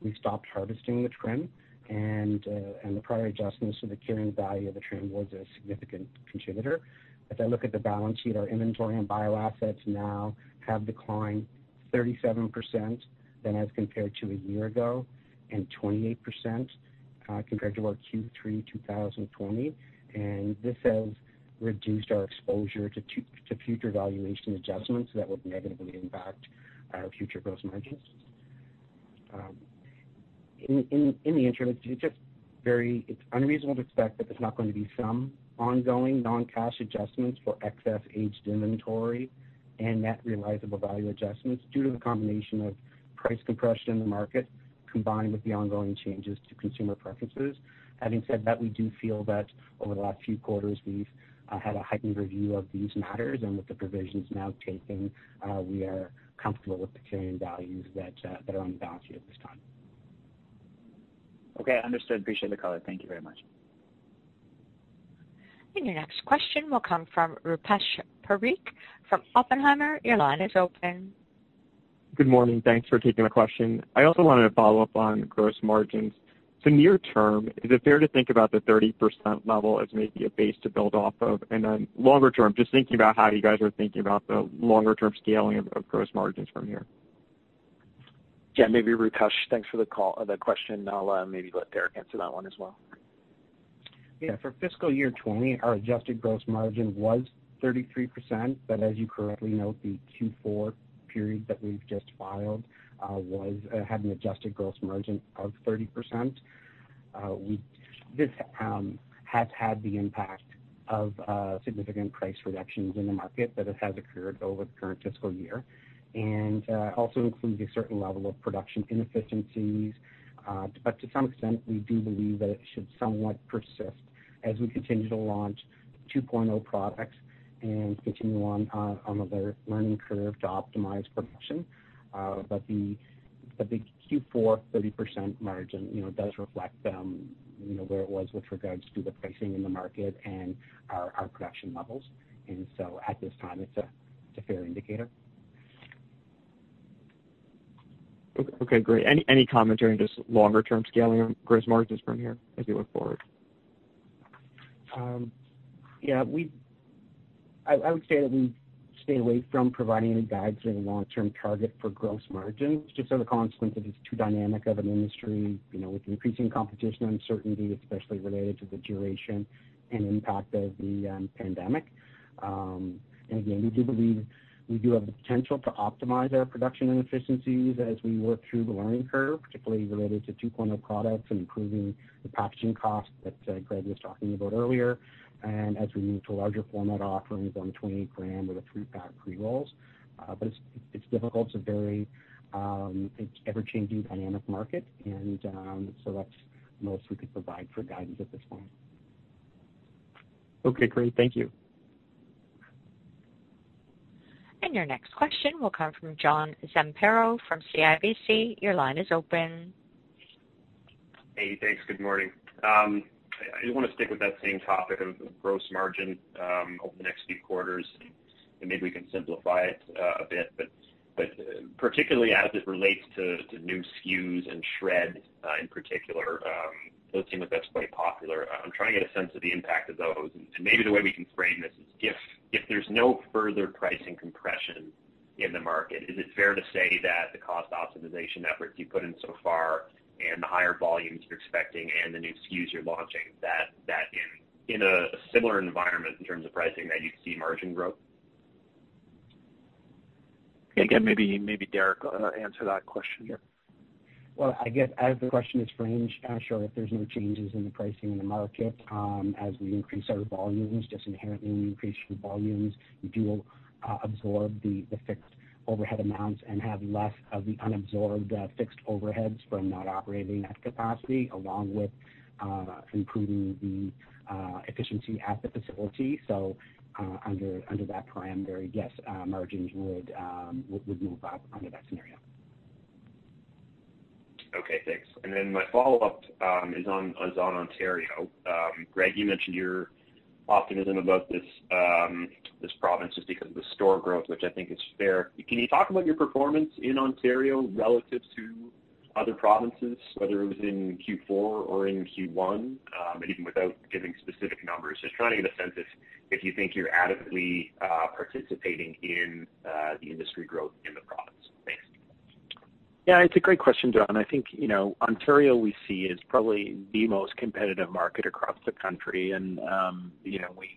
we've stopped harvesting the trim, and the prior adjustments to the carrying value of the trim was a significant contributor. As I look at the balance sheet, our inventory and bio assets now have declined 37% than as compared to a year ago, and 28% compared to our Q3 2020. This has reduced our exposure to future valuation adjustments that would negatively impact our future gross margins. In the interim, it's just unreasonable to expect that there's not going to be some ongoing non-cash adjustments for excess aged inventory and net realizable value adjustments due to the combination of price compression in the market, combined with the ongoing changes to consumer preferences. Having said that, we do feel that over the last few quarters, we've had a heightened review of these matters, and with the provisions now taken, we are comfortable with the carrying values that are on the balance sheet at this time. Okay, understood. Appreciate the color. Thank you very much. Your next question will come from Rupesh Parikh from Oppenheimer. Your line is open. Good morning, thanks for taking my question. I also wanted to follow up on gross margins. So near term, is it fair to think about the 30% level as maybe a base to build off of? And then longer term, just thinking about how you guys are thinking about the longer term scaling of gross margins from here. Yeah, maybe Rupesh, thanks for the call, the question. I'll maybe let Derrick answer that one as well. Yeah, for fiscal year 2020, our adjusted gross margin was 33%, but as you correctly note, the Q4 period that we've just filed had an adjusted gross margin of 30%. This has had the impact of significant price reductions in the market, but it has occurred over the current fiscal year, and also includes a certain level of production inefficiencies, but to some extent, we do believe that it should somewhat persist as we continue to launch 2.0 products and continue on the learning curve to optimize production, but the Q4 30% margin, you know, does reflect, you know, where it was with regards to the pricing in the market and our production levels, and so at this time, it's a fair indicator. Okay, great. Any commentary on just longer term scaling on gross margins from here as we look forward? Yeah, I would say that we stay away from providing any guides or long-term target for gross margins, just as a consequence. It is too dynamic of an industry, you know, with increasing competition, uncertainty, especially related to the duration and impact of the pandemic. And again, we do believe we do have the potential to optimize our production and efficiencies as we work through the learning curve, particularly related to 2.0 products and improving the packaging costs that Greg was talking about earlier. And as we move to larger format offerings on 28-gram or the three-pack pre-rolls. But it's difficult to vary. It's ever-changing dynamic market, and so that's the most we could provide for guidance at this point. Okay, great. Thank you. And your next question will come from John Zamparo from CIBC. Your line is open. Hey, thanks. Good morning. I just want to stick with that same topic of gross margin over the next few quarters, and maybe we can simplify it a bit. But particularly as it relates to new SKUs and SHRED in particular, those seem like that's quite popular. I'm trying to get a sense of the impact of those. And maybe the way we can frame this is if there's no further pricing compression in the market, is it fair to say that the cost optimization efforts you've put in so far and the higher volumes you're expecting and the new SKUs you're launching, that in a similar environment in terms of pricing, that you'd see margin growth? Again, maybe, maybe Derrick, answer that question. I guess as the question is framed, sure, if there's no changes in the pricing in the market, as we increase our volumes, just inherently increasing volumes, we do absorb the fixed overhead amounts and have less of the unabsorbed fixed overheads from not operating at capacity, along with improving the efficiency at the facility. So, under that parameter, yes, margins would move up under that scenario. Okay, thanks. And then my follow-up is on Ontario. Greg, you mentioned your optimism about this province just because of the store growth, which I think is fair. Can you talk about your performance in Ontario relative to other provinces, whether it was in Q4 or in Q1? And even without giving specific numbers, just trying to get a sense if you think you're adequately participating in the industry growth in the province. Thanks. Yeah, it's a great question, John. I think, you know, Ontario, we see, is probably the most competitive market across the country. And, you know, we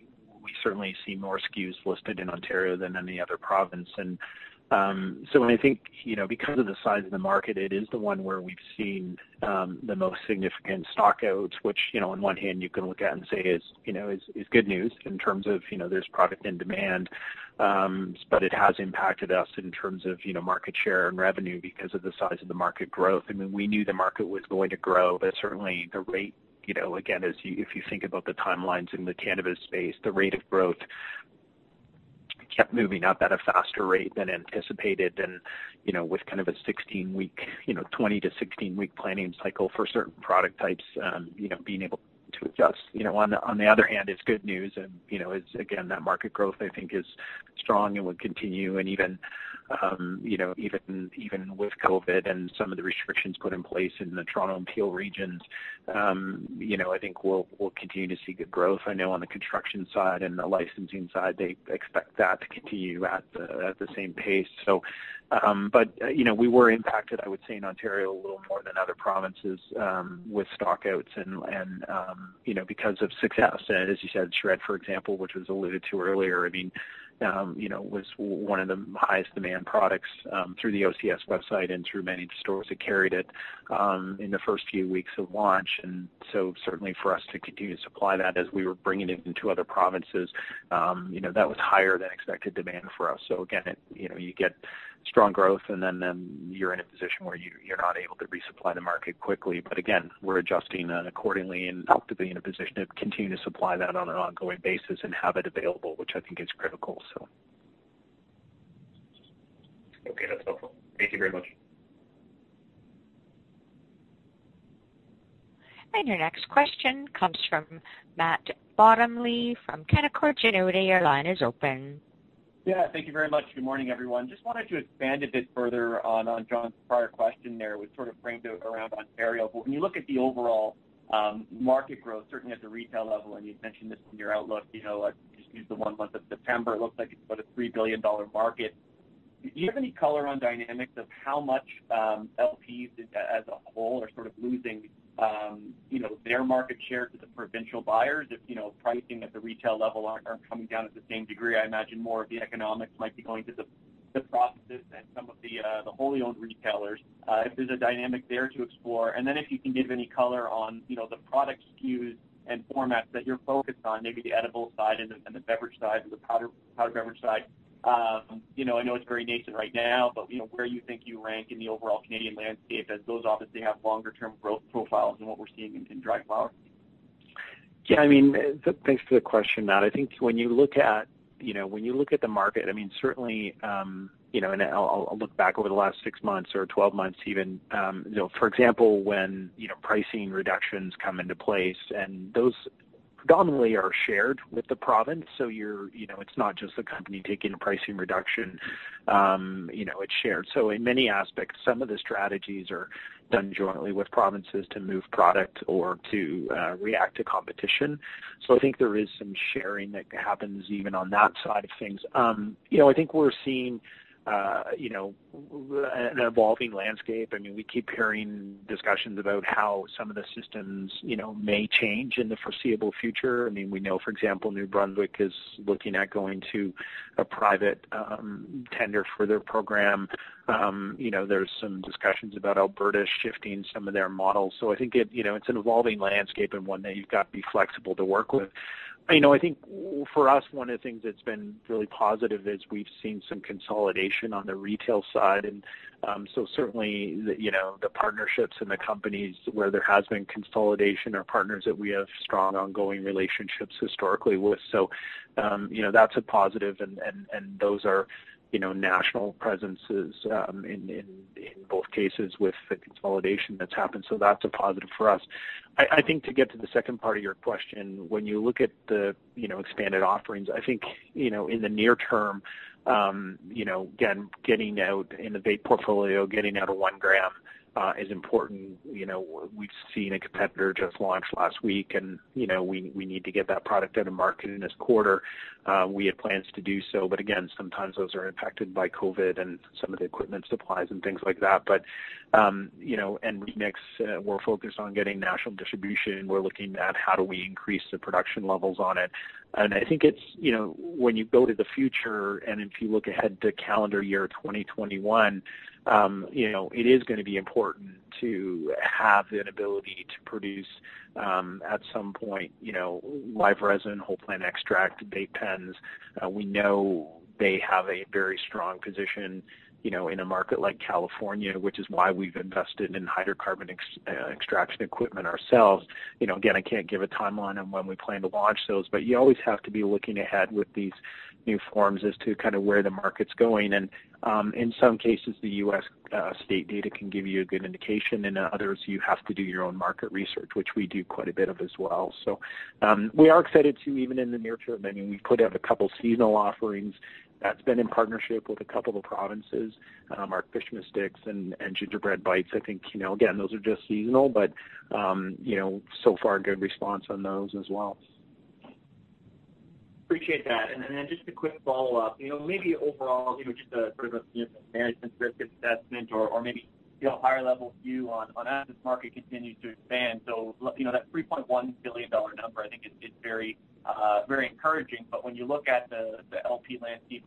certainly see more SKUs listed in Ontario than any other province. And, so when I think, you know, because of the size of the market, it is the one where we've seen the most significant stock outs, which, you know, on one hand, you can look at and say is good news in terms of, you know, there's product and demand. But it has impacted us in terms of, you know, market share and revenue because of the size of the market growth. I mean, we knew the market was going to grow, but certainly the rate, you know, again, as you- if you think about the timelines in the cannabis space, the rate of growth kept moving up at a faster rate than anticipated. And you know, with kind of a sixteen-week, you know, twenty to sixteen-week planning cycle for certain product types, you know, being able to adjust. You know, on the other hand, it's good news. And you know, it's, again, that market growth, I think, is strong and will continue. And even, you know, even with COVID and some of the restrictions put in place in the Toronto and Peel Region, you know, I think we'll continue to see good growth. I know on the construction side and the licensing side, they expect that to continue at the same pace. So, but, you know, we were impacted, I would say, in Ontario, a little more than other provinces, with stock outs and you know, because of success. And as you said, SHRED, for example, which was alluded to earlier, I mean, you know, was one of the highest demand products, through the OCS website and through many stores that carried it, in the first few weeks of launch. And so certainly for us to continue to supply that as we were bringing it into other provinces, you know, that was higher than expected demand for us. So again, it, you know, you get strong growth, and then you're in a position where you're not able to resupply the market quickly. But again, we're adjusting that accordingly and hope to be in a position to continue to supply that on an ongoing basis and have it available, which I think is critical, so. Okay, that's helpful. Thank you very much. Your next question comes from Matt Bottomley from Canaccord Genuity. Your line is open. ... Yeah, thank you very much. Good morning, everyone. Just wanted to expand a bit further on John's prior question there, which sort of framed it around Ontario. But when you look at the overall market growth, certainly at the retail level, and you've mentioned this in your outlook, you know, just use the one month of September, it looks like it's about a 3 billion dollar market. Do you have any color on dynamics of how much LPs as a whole are sort of losing, you know, their market share to the provincial buyers? If, you know, pricing at the retail level aren't coming down at the same degree, I imagine more of the economics might be going to the provinces and some of the wholly owned retailers, if there's a dynamic there to explore. And then if you can give any color on, you know, the product SKUs and formats that you're focused on, maybe the edibles side and the beverage side, or the powder beverage side. You know, I know it's very nascent right now, but, you know, where you think you rank in the overall Canadian landscape, as those obviously have longer term growth profiles than what we're seeing in dried flower. Yeah, I mean, thanks for the question, Matt. I think when you look at, you know, when you look at the market, I mean, certainly, you know, and I'll look back over the last six months or 12 months even, you know, for example, when, you know, pricing reductions come into place, and those predominantly are shared with the province, so you're, you know, it's not just the company taking a pricing reduction, you know, it's shared. So in many aspects, some of the strategies are done jointly with provinces to move product or to react to competition. So I think there is some sharing that happens even on that side of things. You know, I think we're seeing, you know, an evolving landscape. I mean, we keep hearing discussions about how some of the systems, you know, may change in the foreseeable future. I mean, we know, for example, New Brunswick is looking at going to a private, tender for their program. You know, there's some discussions about Alberta shifting some of their models. So I think it, you know, it's an evolving landscape and one that you've got to be flexible to work with. You know, I think for us, one of the things that's been really positive is we've seen some consolidation on the retail side. And, so certainly, the, you know, the partnerships and the companies where there has been consolidation are partners that we have strong, ongoing relationships historically with. So, you know, that's a positive and those are, you know, national presences in both cases with the consolidation that's happened, so that's a positive for us. I think to get to the second part of your question, when you look at the, you know, expanded offerings, I think, you know, in the near term, you know, again, getting out in the vape portfolio, getting out of one gram is important. You know, we've seen a competitor just launch last week, and, you know, we need to get that product out of market in this quarter. We had plans to do so, but again, sometimes those are impacted by COVID and some of the equipment supplies and things like that. But, you know, and RE:MIX, we're focused on getting national distribution. We're looking at how do we increase the production levels on it, and I think it's, you know, when you go to the future, and if you look ahead to calendar year 2021, you know, it is gonna be important to have that ability to produce, at some point, you know, live resin, whole plant extract, vape pens. We know they have a very strong position, you know, in a market like California, which is why we've invested in hydrocarbon extraction equipment ourselves. You know, again, I can't give a timeline on when we plan to launch those, but you always have to be looking ahead with these new forms as to kind of where the market's going. In some cases, the U.S. state data can give you a good indication, and others, you have to do your own market research, which we do quite a bit of as well. We are excited, too, even in the near term. I mean, we put out a couple seasonal offerings. That's been in partnership with a couple of provinces, our Christmas Stix and Gingerbread Bytes. I think, you know, again, those are just seasonal, but, you know, so far, good response on those as well. Appreciate that. And then just a quick follow-up. You know, maybe overall, you know, just sort of a, you know, management risk assessment or maybe, you know, a higher level view on as this market continues to expand. So, you know, that 3.1 billion dollar number, I think is very encouraging, but when you look at the LP landscape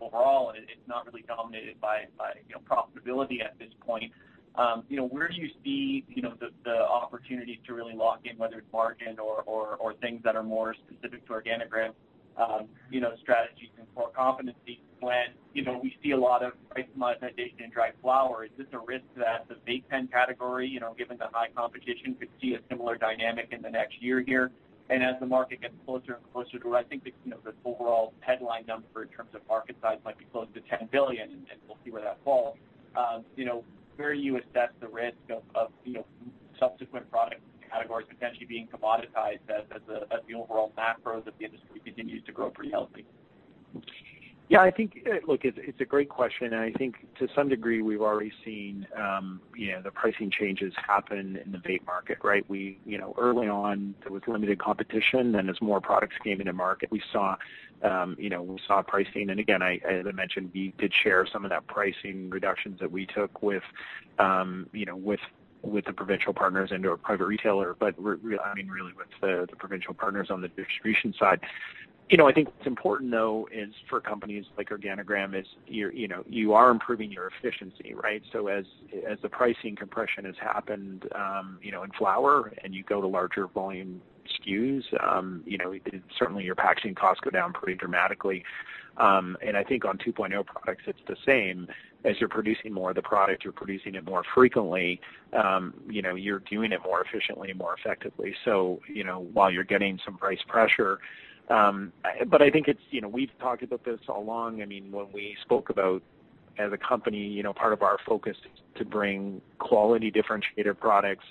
overall, it's not really dominated by profitability at this point. You know, where do you see the opportunity to really lock in, whether it's margin or things that are more specific to Organigram, you know, strategies and core competencies when, you know, we see a lot of price moderation in dried flower? Is this a risk that the vape pen category, you know, given the high competition, could see a similar dynamic in the next year here? As the market gets closer and closer to what I think the, you know, the overall headline number in terms of market size might be closer to 10 billion, and we'll see where that falls. You know, where do you assess the risk of subsequent product categories potentially being commoditized as the overall macro that the industry continues to grow pretty healthy? Yeah, I think, Look, it's, it's a great question, and I think to some degree, we've already seen, you know, the pricing changes happen in the vape market, right? We, you know, early on, there was limited competition, and as more products came into market, we saw, you know, we saw pricing. And again, I, as I mentioned, we did share some of that pricing reductions that we took with, you know, with, with the provincial partners and our private retailer, but I mean, really with the, the provincial partners on the distribution side. You know, I think what's important, though, is for companies like Organigram is you're, you know, you are improving your efficiency, right? So as the pricing compression has happened, you know, in flower, and you go to larger volume SKUs, you know, certainly your packaging costs go down pretty dramatically, and I think on 2.0 products, it's the same. As you're producing more of the product, you're producing it more frequently, you know, you're doing it more efficiently and more effectively, you know, while you're getting some price pressure, but I think it's, you know, we've talked about this all along. I mean, when we spoke about, as a company, you know, part of our focus is to bring quality, differentiated products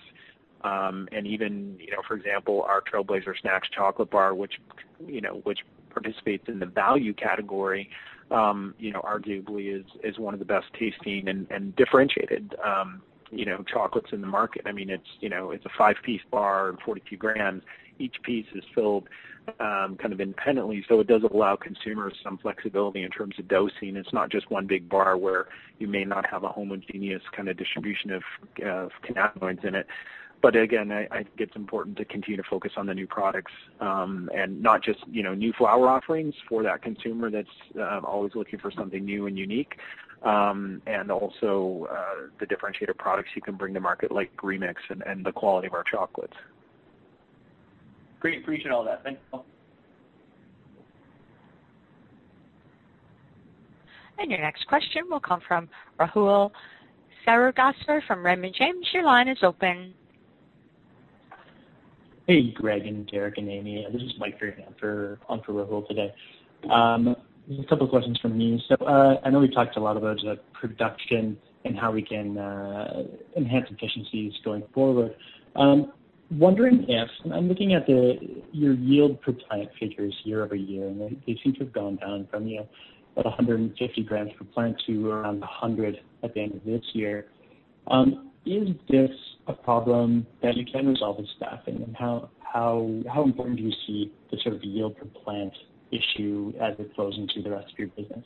and even, you know, for example, our Trailblazer Snax chocolate bar, which, you know, which participates in the value category, you know, arguably is one of the best tasting and differentiated, you know, chocolates in the market. I mean, it's, you know, it's a five-piece bar and 42 grams. Each piece is filled, kind of independently, so it does allow consumers some flexibility in terms of dosing. It's not just one big bar where you may not have a homogeneous kind of distribution of cannabinoids in it. But again, I think it's important to continue to focus on the new products, and not just, you know, new flower offerings for that consumer that's always looking for something new and unique. And also, the differentiator products you can bring to market, like RE:MIX and the quality of our chocolates. Great. Appreciate all that. Thank you. And your next question will come from Rahul Sarugaser from Raymond James. Your line is open. Hey, Greg, and Derrick, and Amy. This is Mike here for, on for Rahul today. A couple of questions from me. So, I know we talked a lot about, production and how we can, enhance efficiencies going forward. Wondering if I'm looking at the, your yield per plant figures year-over-year, and they, they seem to have gone down from, you know, about a hundred and fifty grams per plant to around a hundred at the end of this year. Is this a problem that you can resolve with staffing, and how, how, how important do you see the sort of yield per plant issue as it flows into the rest of your business?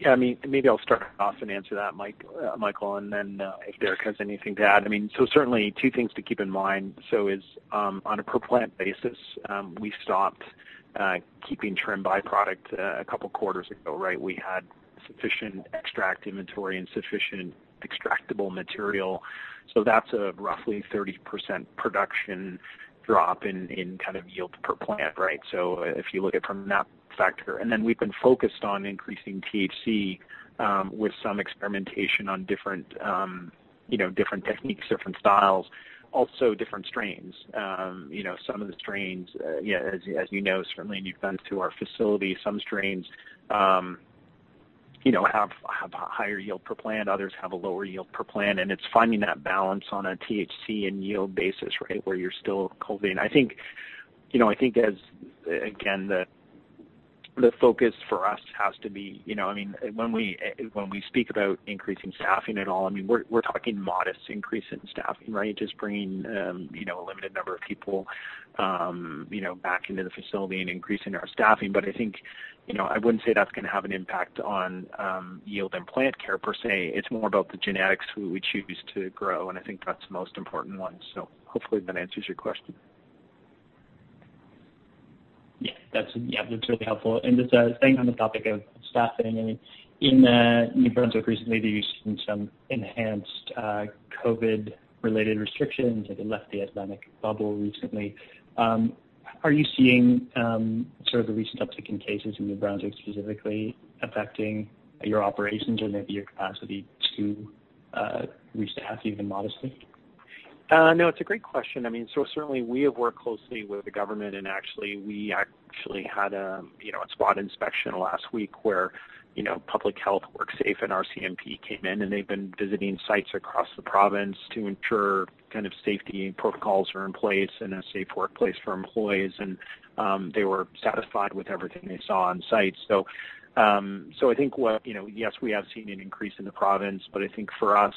Yeah, I mean, maybe I'll start off and answer that, Mike, Michael, and then, if Derrick has anything to add. I mean, so certainly two things to keep in mind, so is, on a per plant basis, we stopped, keeping trim byproduct, a couple of quarters ago, right? We had sufficient extract inventory and sufficient extractable material, so that's a roughly 30% production drop in kind of yield per plant, right? So if you look at it from that factor. And then we've been focused on increasing THC, with some experimentation on different, you know, different techniques, different styles, also different strains. You know, some of the strains, yeah, as you know, certainly, and you've been to our facility, some strains, you know, have a higher yield per plant, others have a lower yield per plant, and it's finding that balance on a THC and yield basis, right, where you're still COVID. I think, you know, I think as, again, the focus for us has to be, you know, I mean, when we speak about increasing staffing at all, I mean, we're talking modest increase in staffing, right? Just bringing, you know, a limited number of people, you know, back into the facility and increasing our staffing. But I think, you know, I wouldn't say that's gonna have an impact on yield and plant care per se. It's more about the genetics we would choose to grow, and I think that's the most important one. So hopefully, that answers your question. Yeah, that's, yeah, that's really helpful. And just, staying on the topic of staffing, I mean, in New Brunswick recently, there's been some enhanced COVID-related restrictions, and they left the Atlantic Bubble recently. Are you seeing sort of the recent uptick in cases in New Brunswick, specifically affecting your operations and maybe your capacity to restaff even modestly? No, it's a great question. I mean, so certainly we have worked closely with the government, and actually, we actually had a you know a squad inspection last week where you know public health, WorkSafe, and RCMP came in, and they've been visiting sites across the province to ensure kind of safety protocols are in place and a safe workplace for employees. And they were satisfied with everything they saw on site. So I think what you know yes, we have seen an increase in the province, but I think for us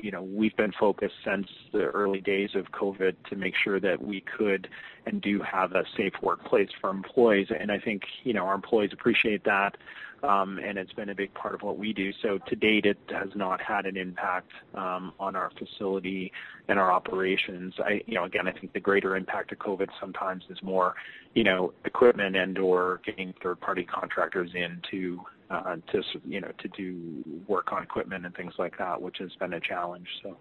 you know we've been focused since the early days of COVID to make sure that we could and do have a safe workplace for employees. And I think you know our employees appreciate that and it's been a big part of what we do. So to date, it has not had an impact on our facility and our operations. You know, again, I think the greater impact of COVID sometimes is more, you know, equipment and/or getting third-party contractors in to, you know, to do work on equipment and things like that, which has been a challenge, so.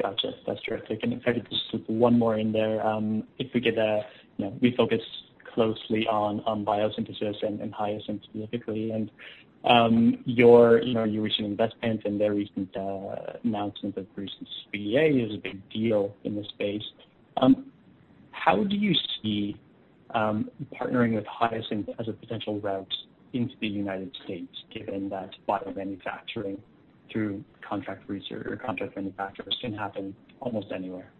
Gotcha. That's terrific. And if I could just one more in there. If we could, you know, we focus closely on biosynthesis and Hyasynth specifically, and you know, your recent investment and their recent announcement of recent CBDA is a big deal in this space. How do you see partnering with Hyasynth as a potential route into the United States, given that biomanufacturing through contract research or contract manufacturers can happen almost anywhere?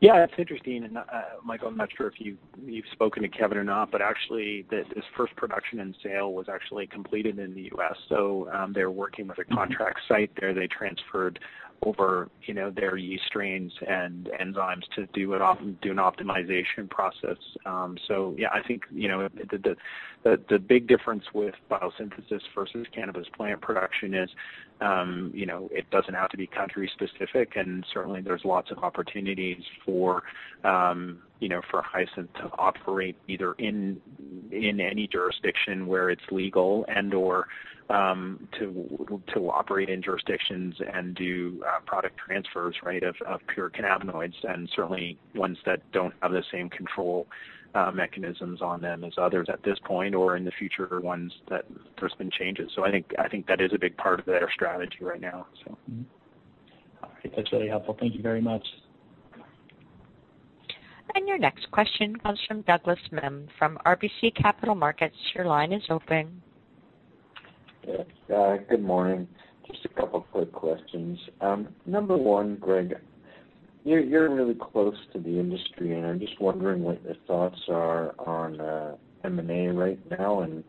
Yeah, that's interesting, and Michael, I'm not sure if you've spoken to Kevin or not, but actually, this first production and sale was actually completed in the U.S. So, they're working with a contract site there. They transferred over, you know, their yeast strains and enzymes to do an optimization process. So yeah, I think, you know, the big difference with biosynthesis versus cannabis plant production is, you know, it doesn't have to be country-specific, and certainly, there's lots of opportunities for, you know, for Hyasynth to operate either in any jurisdiction where it's legal and/or to operate in jurisdictions and do product transfers, right, of pure cannabinoids, and certainly ones that don't have the same control mechanisms on them as others at this point or in the future ones that there's been changes. So I think that is a big part of their strategy right now, so. Mm-hmm. All right. That's really helpful. Thank you very much.... Your next question comes from Douglas Miehm from RBC Capital Markets. Your line is open. Yeah, good morning. Just a couple quick questions. Number one, Greg, you're really close to the industry, and I'm just wondering what your thoughts are on M&A right now and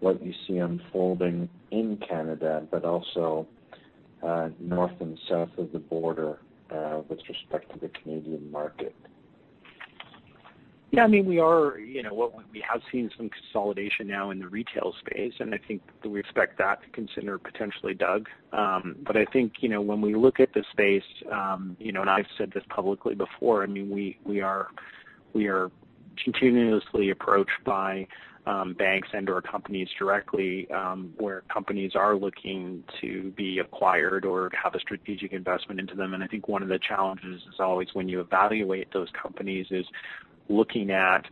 what you see unfolding in Canada, but also north and south of the border with respect to the Canadian market? Yeah, I mean, we are, you know what? We have seen some consolidation now in the retail space, and I think that we expect that to consider potentially, Doug. But I think, you know, when we look at the space, you know, and I've said this publicly before, I mean, we are continuously approached by, banks and/or companies directly, where companies are looking to be acquired or have a strategic investment into them. And I think one of the challenges is always when you evaluate those companies, is looking at,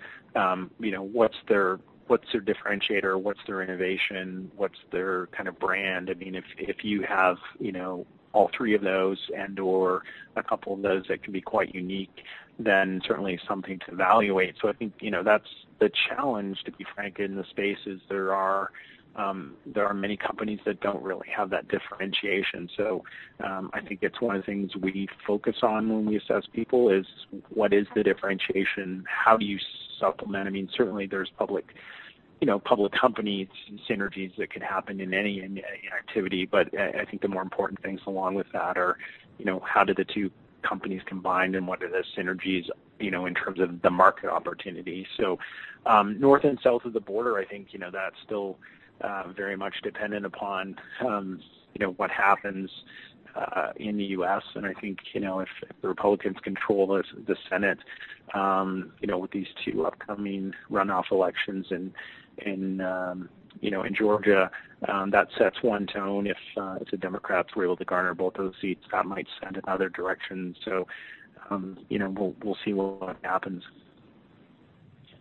you know, what's their differentiator? What's their innovation? What's their kind of brand? I mean, if you have, you know, all three of those and/or a couple of those that can be quite unique, then certainly something to evaluate. So I think, you know, that's the challenge, to be frank, in the space, is there are many companies that don't really have that differentiation. So, I think it's one of the things we focus on when we assess people, is what is the differentiation? How do you supplement? I mean, certainly there's public, you know, public companies and synergies that can happen in any activity. But I think the more important things along with that are, you know, how do the two companies combine, and what are the synergies, you know, in terms of the market opportunity? So, north and south of the border, I think, you know, that's still very much dependent upon, you know, what happens in the US. And I think, you know, if the Republicans control the Senate, you know, with these two upcoming runoff elections in Georgia, that sets one tone. If the Democrats were able to garner both those seats, that might send another direction. So, you know, we'll see what happens.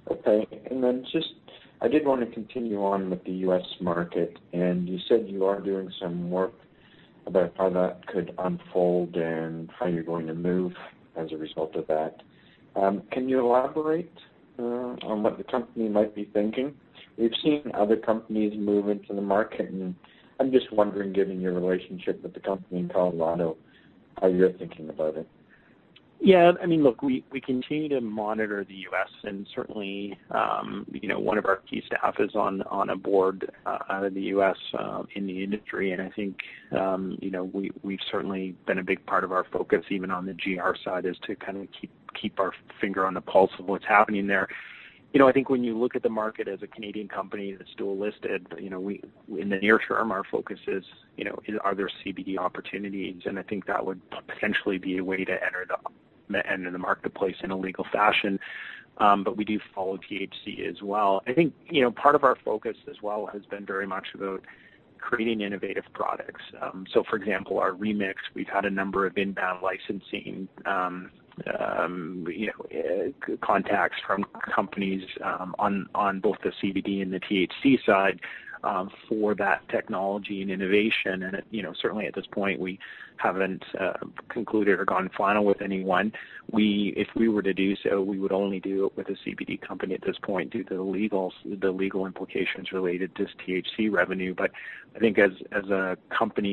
Okay. And then just, I did want to continue on with the U.S. market. And you said you are doing some work about how that could unfold and how you're going to move as a result of that. Can you elaborate on what the company might be thinking? We've seen other companies move into the market, and I'm just wondering, given your relationship with the company in Colorado, how you're thinking about it. Yeah, I mean, look, we continue to monitor the U.S. and certainly, you know, one of our key staff is on a board out in the U.S. in the industry. And I think, you know, we've certainly been a big part of our focus even on the GR side is to kind of keep our finger on the pulse of what's happening there. You know, I think when you look at the market as a Canadian company that's dual listed, you know, in the near term, our focus is, you know, are there CBD opportunities? And I think that would potentially be a way to enter the marketplace in a legal fashion. But we do follow THC as well. I think, you know, part of our focus as well has been very much about creating innovative products. So for example, our RE:MIX, we've had a number of inbound licensing, you know, contacts from companies on both the CBD and the THC side for that technology and innovation, and you know, certainly at this point, we haven't concluded or gone final with anyone. If we were to do so, we would only do it with a CBD company at this point, due to the legal implications related to THC revenue, but I think as a company,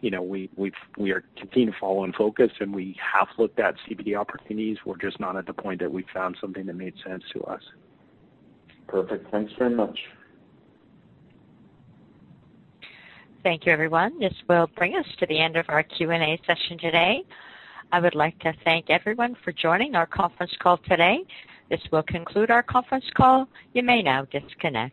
you know, we are continuing to follow and focus, and we have looked at CBD opportunities. We're just not at the point that we've found something that made sense to us. Perfect. Thanks very much. Thank you, everyone. This will bring us to the end of our Q&A session today. I would like to thank everyone for joining our conference call today. This will conclude our conference call. You may now disconnect.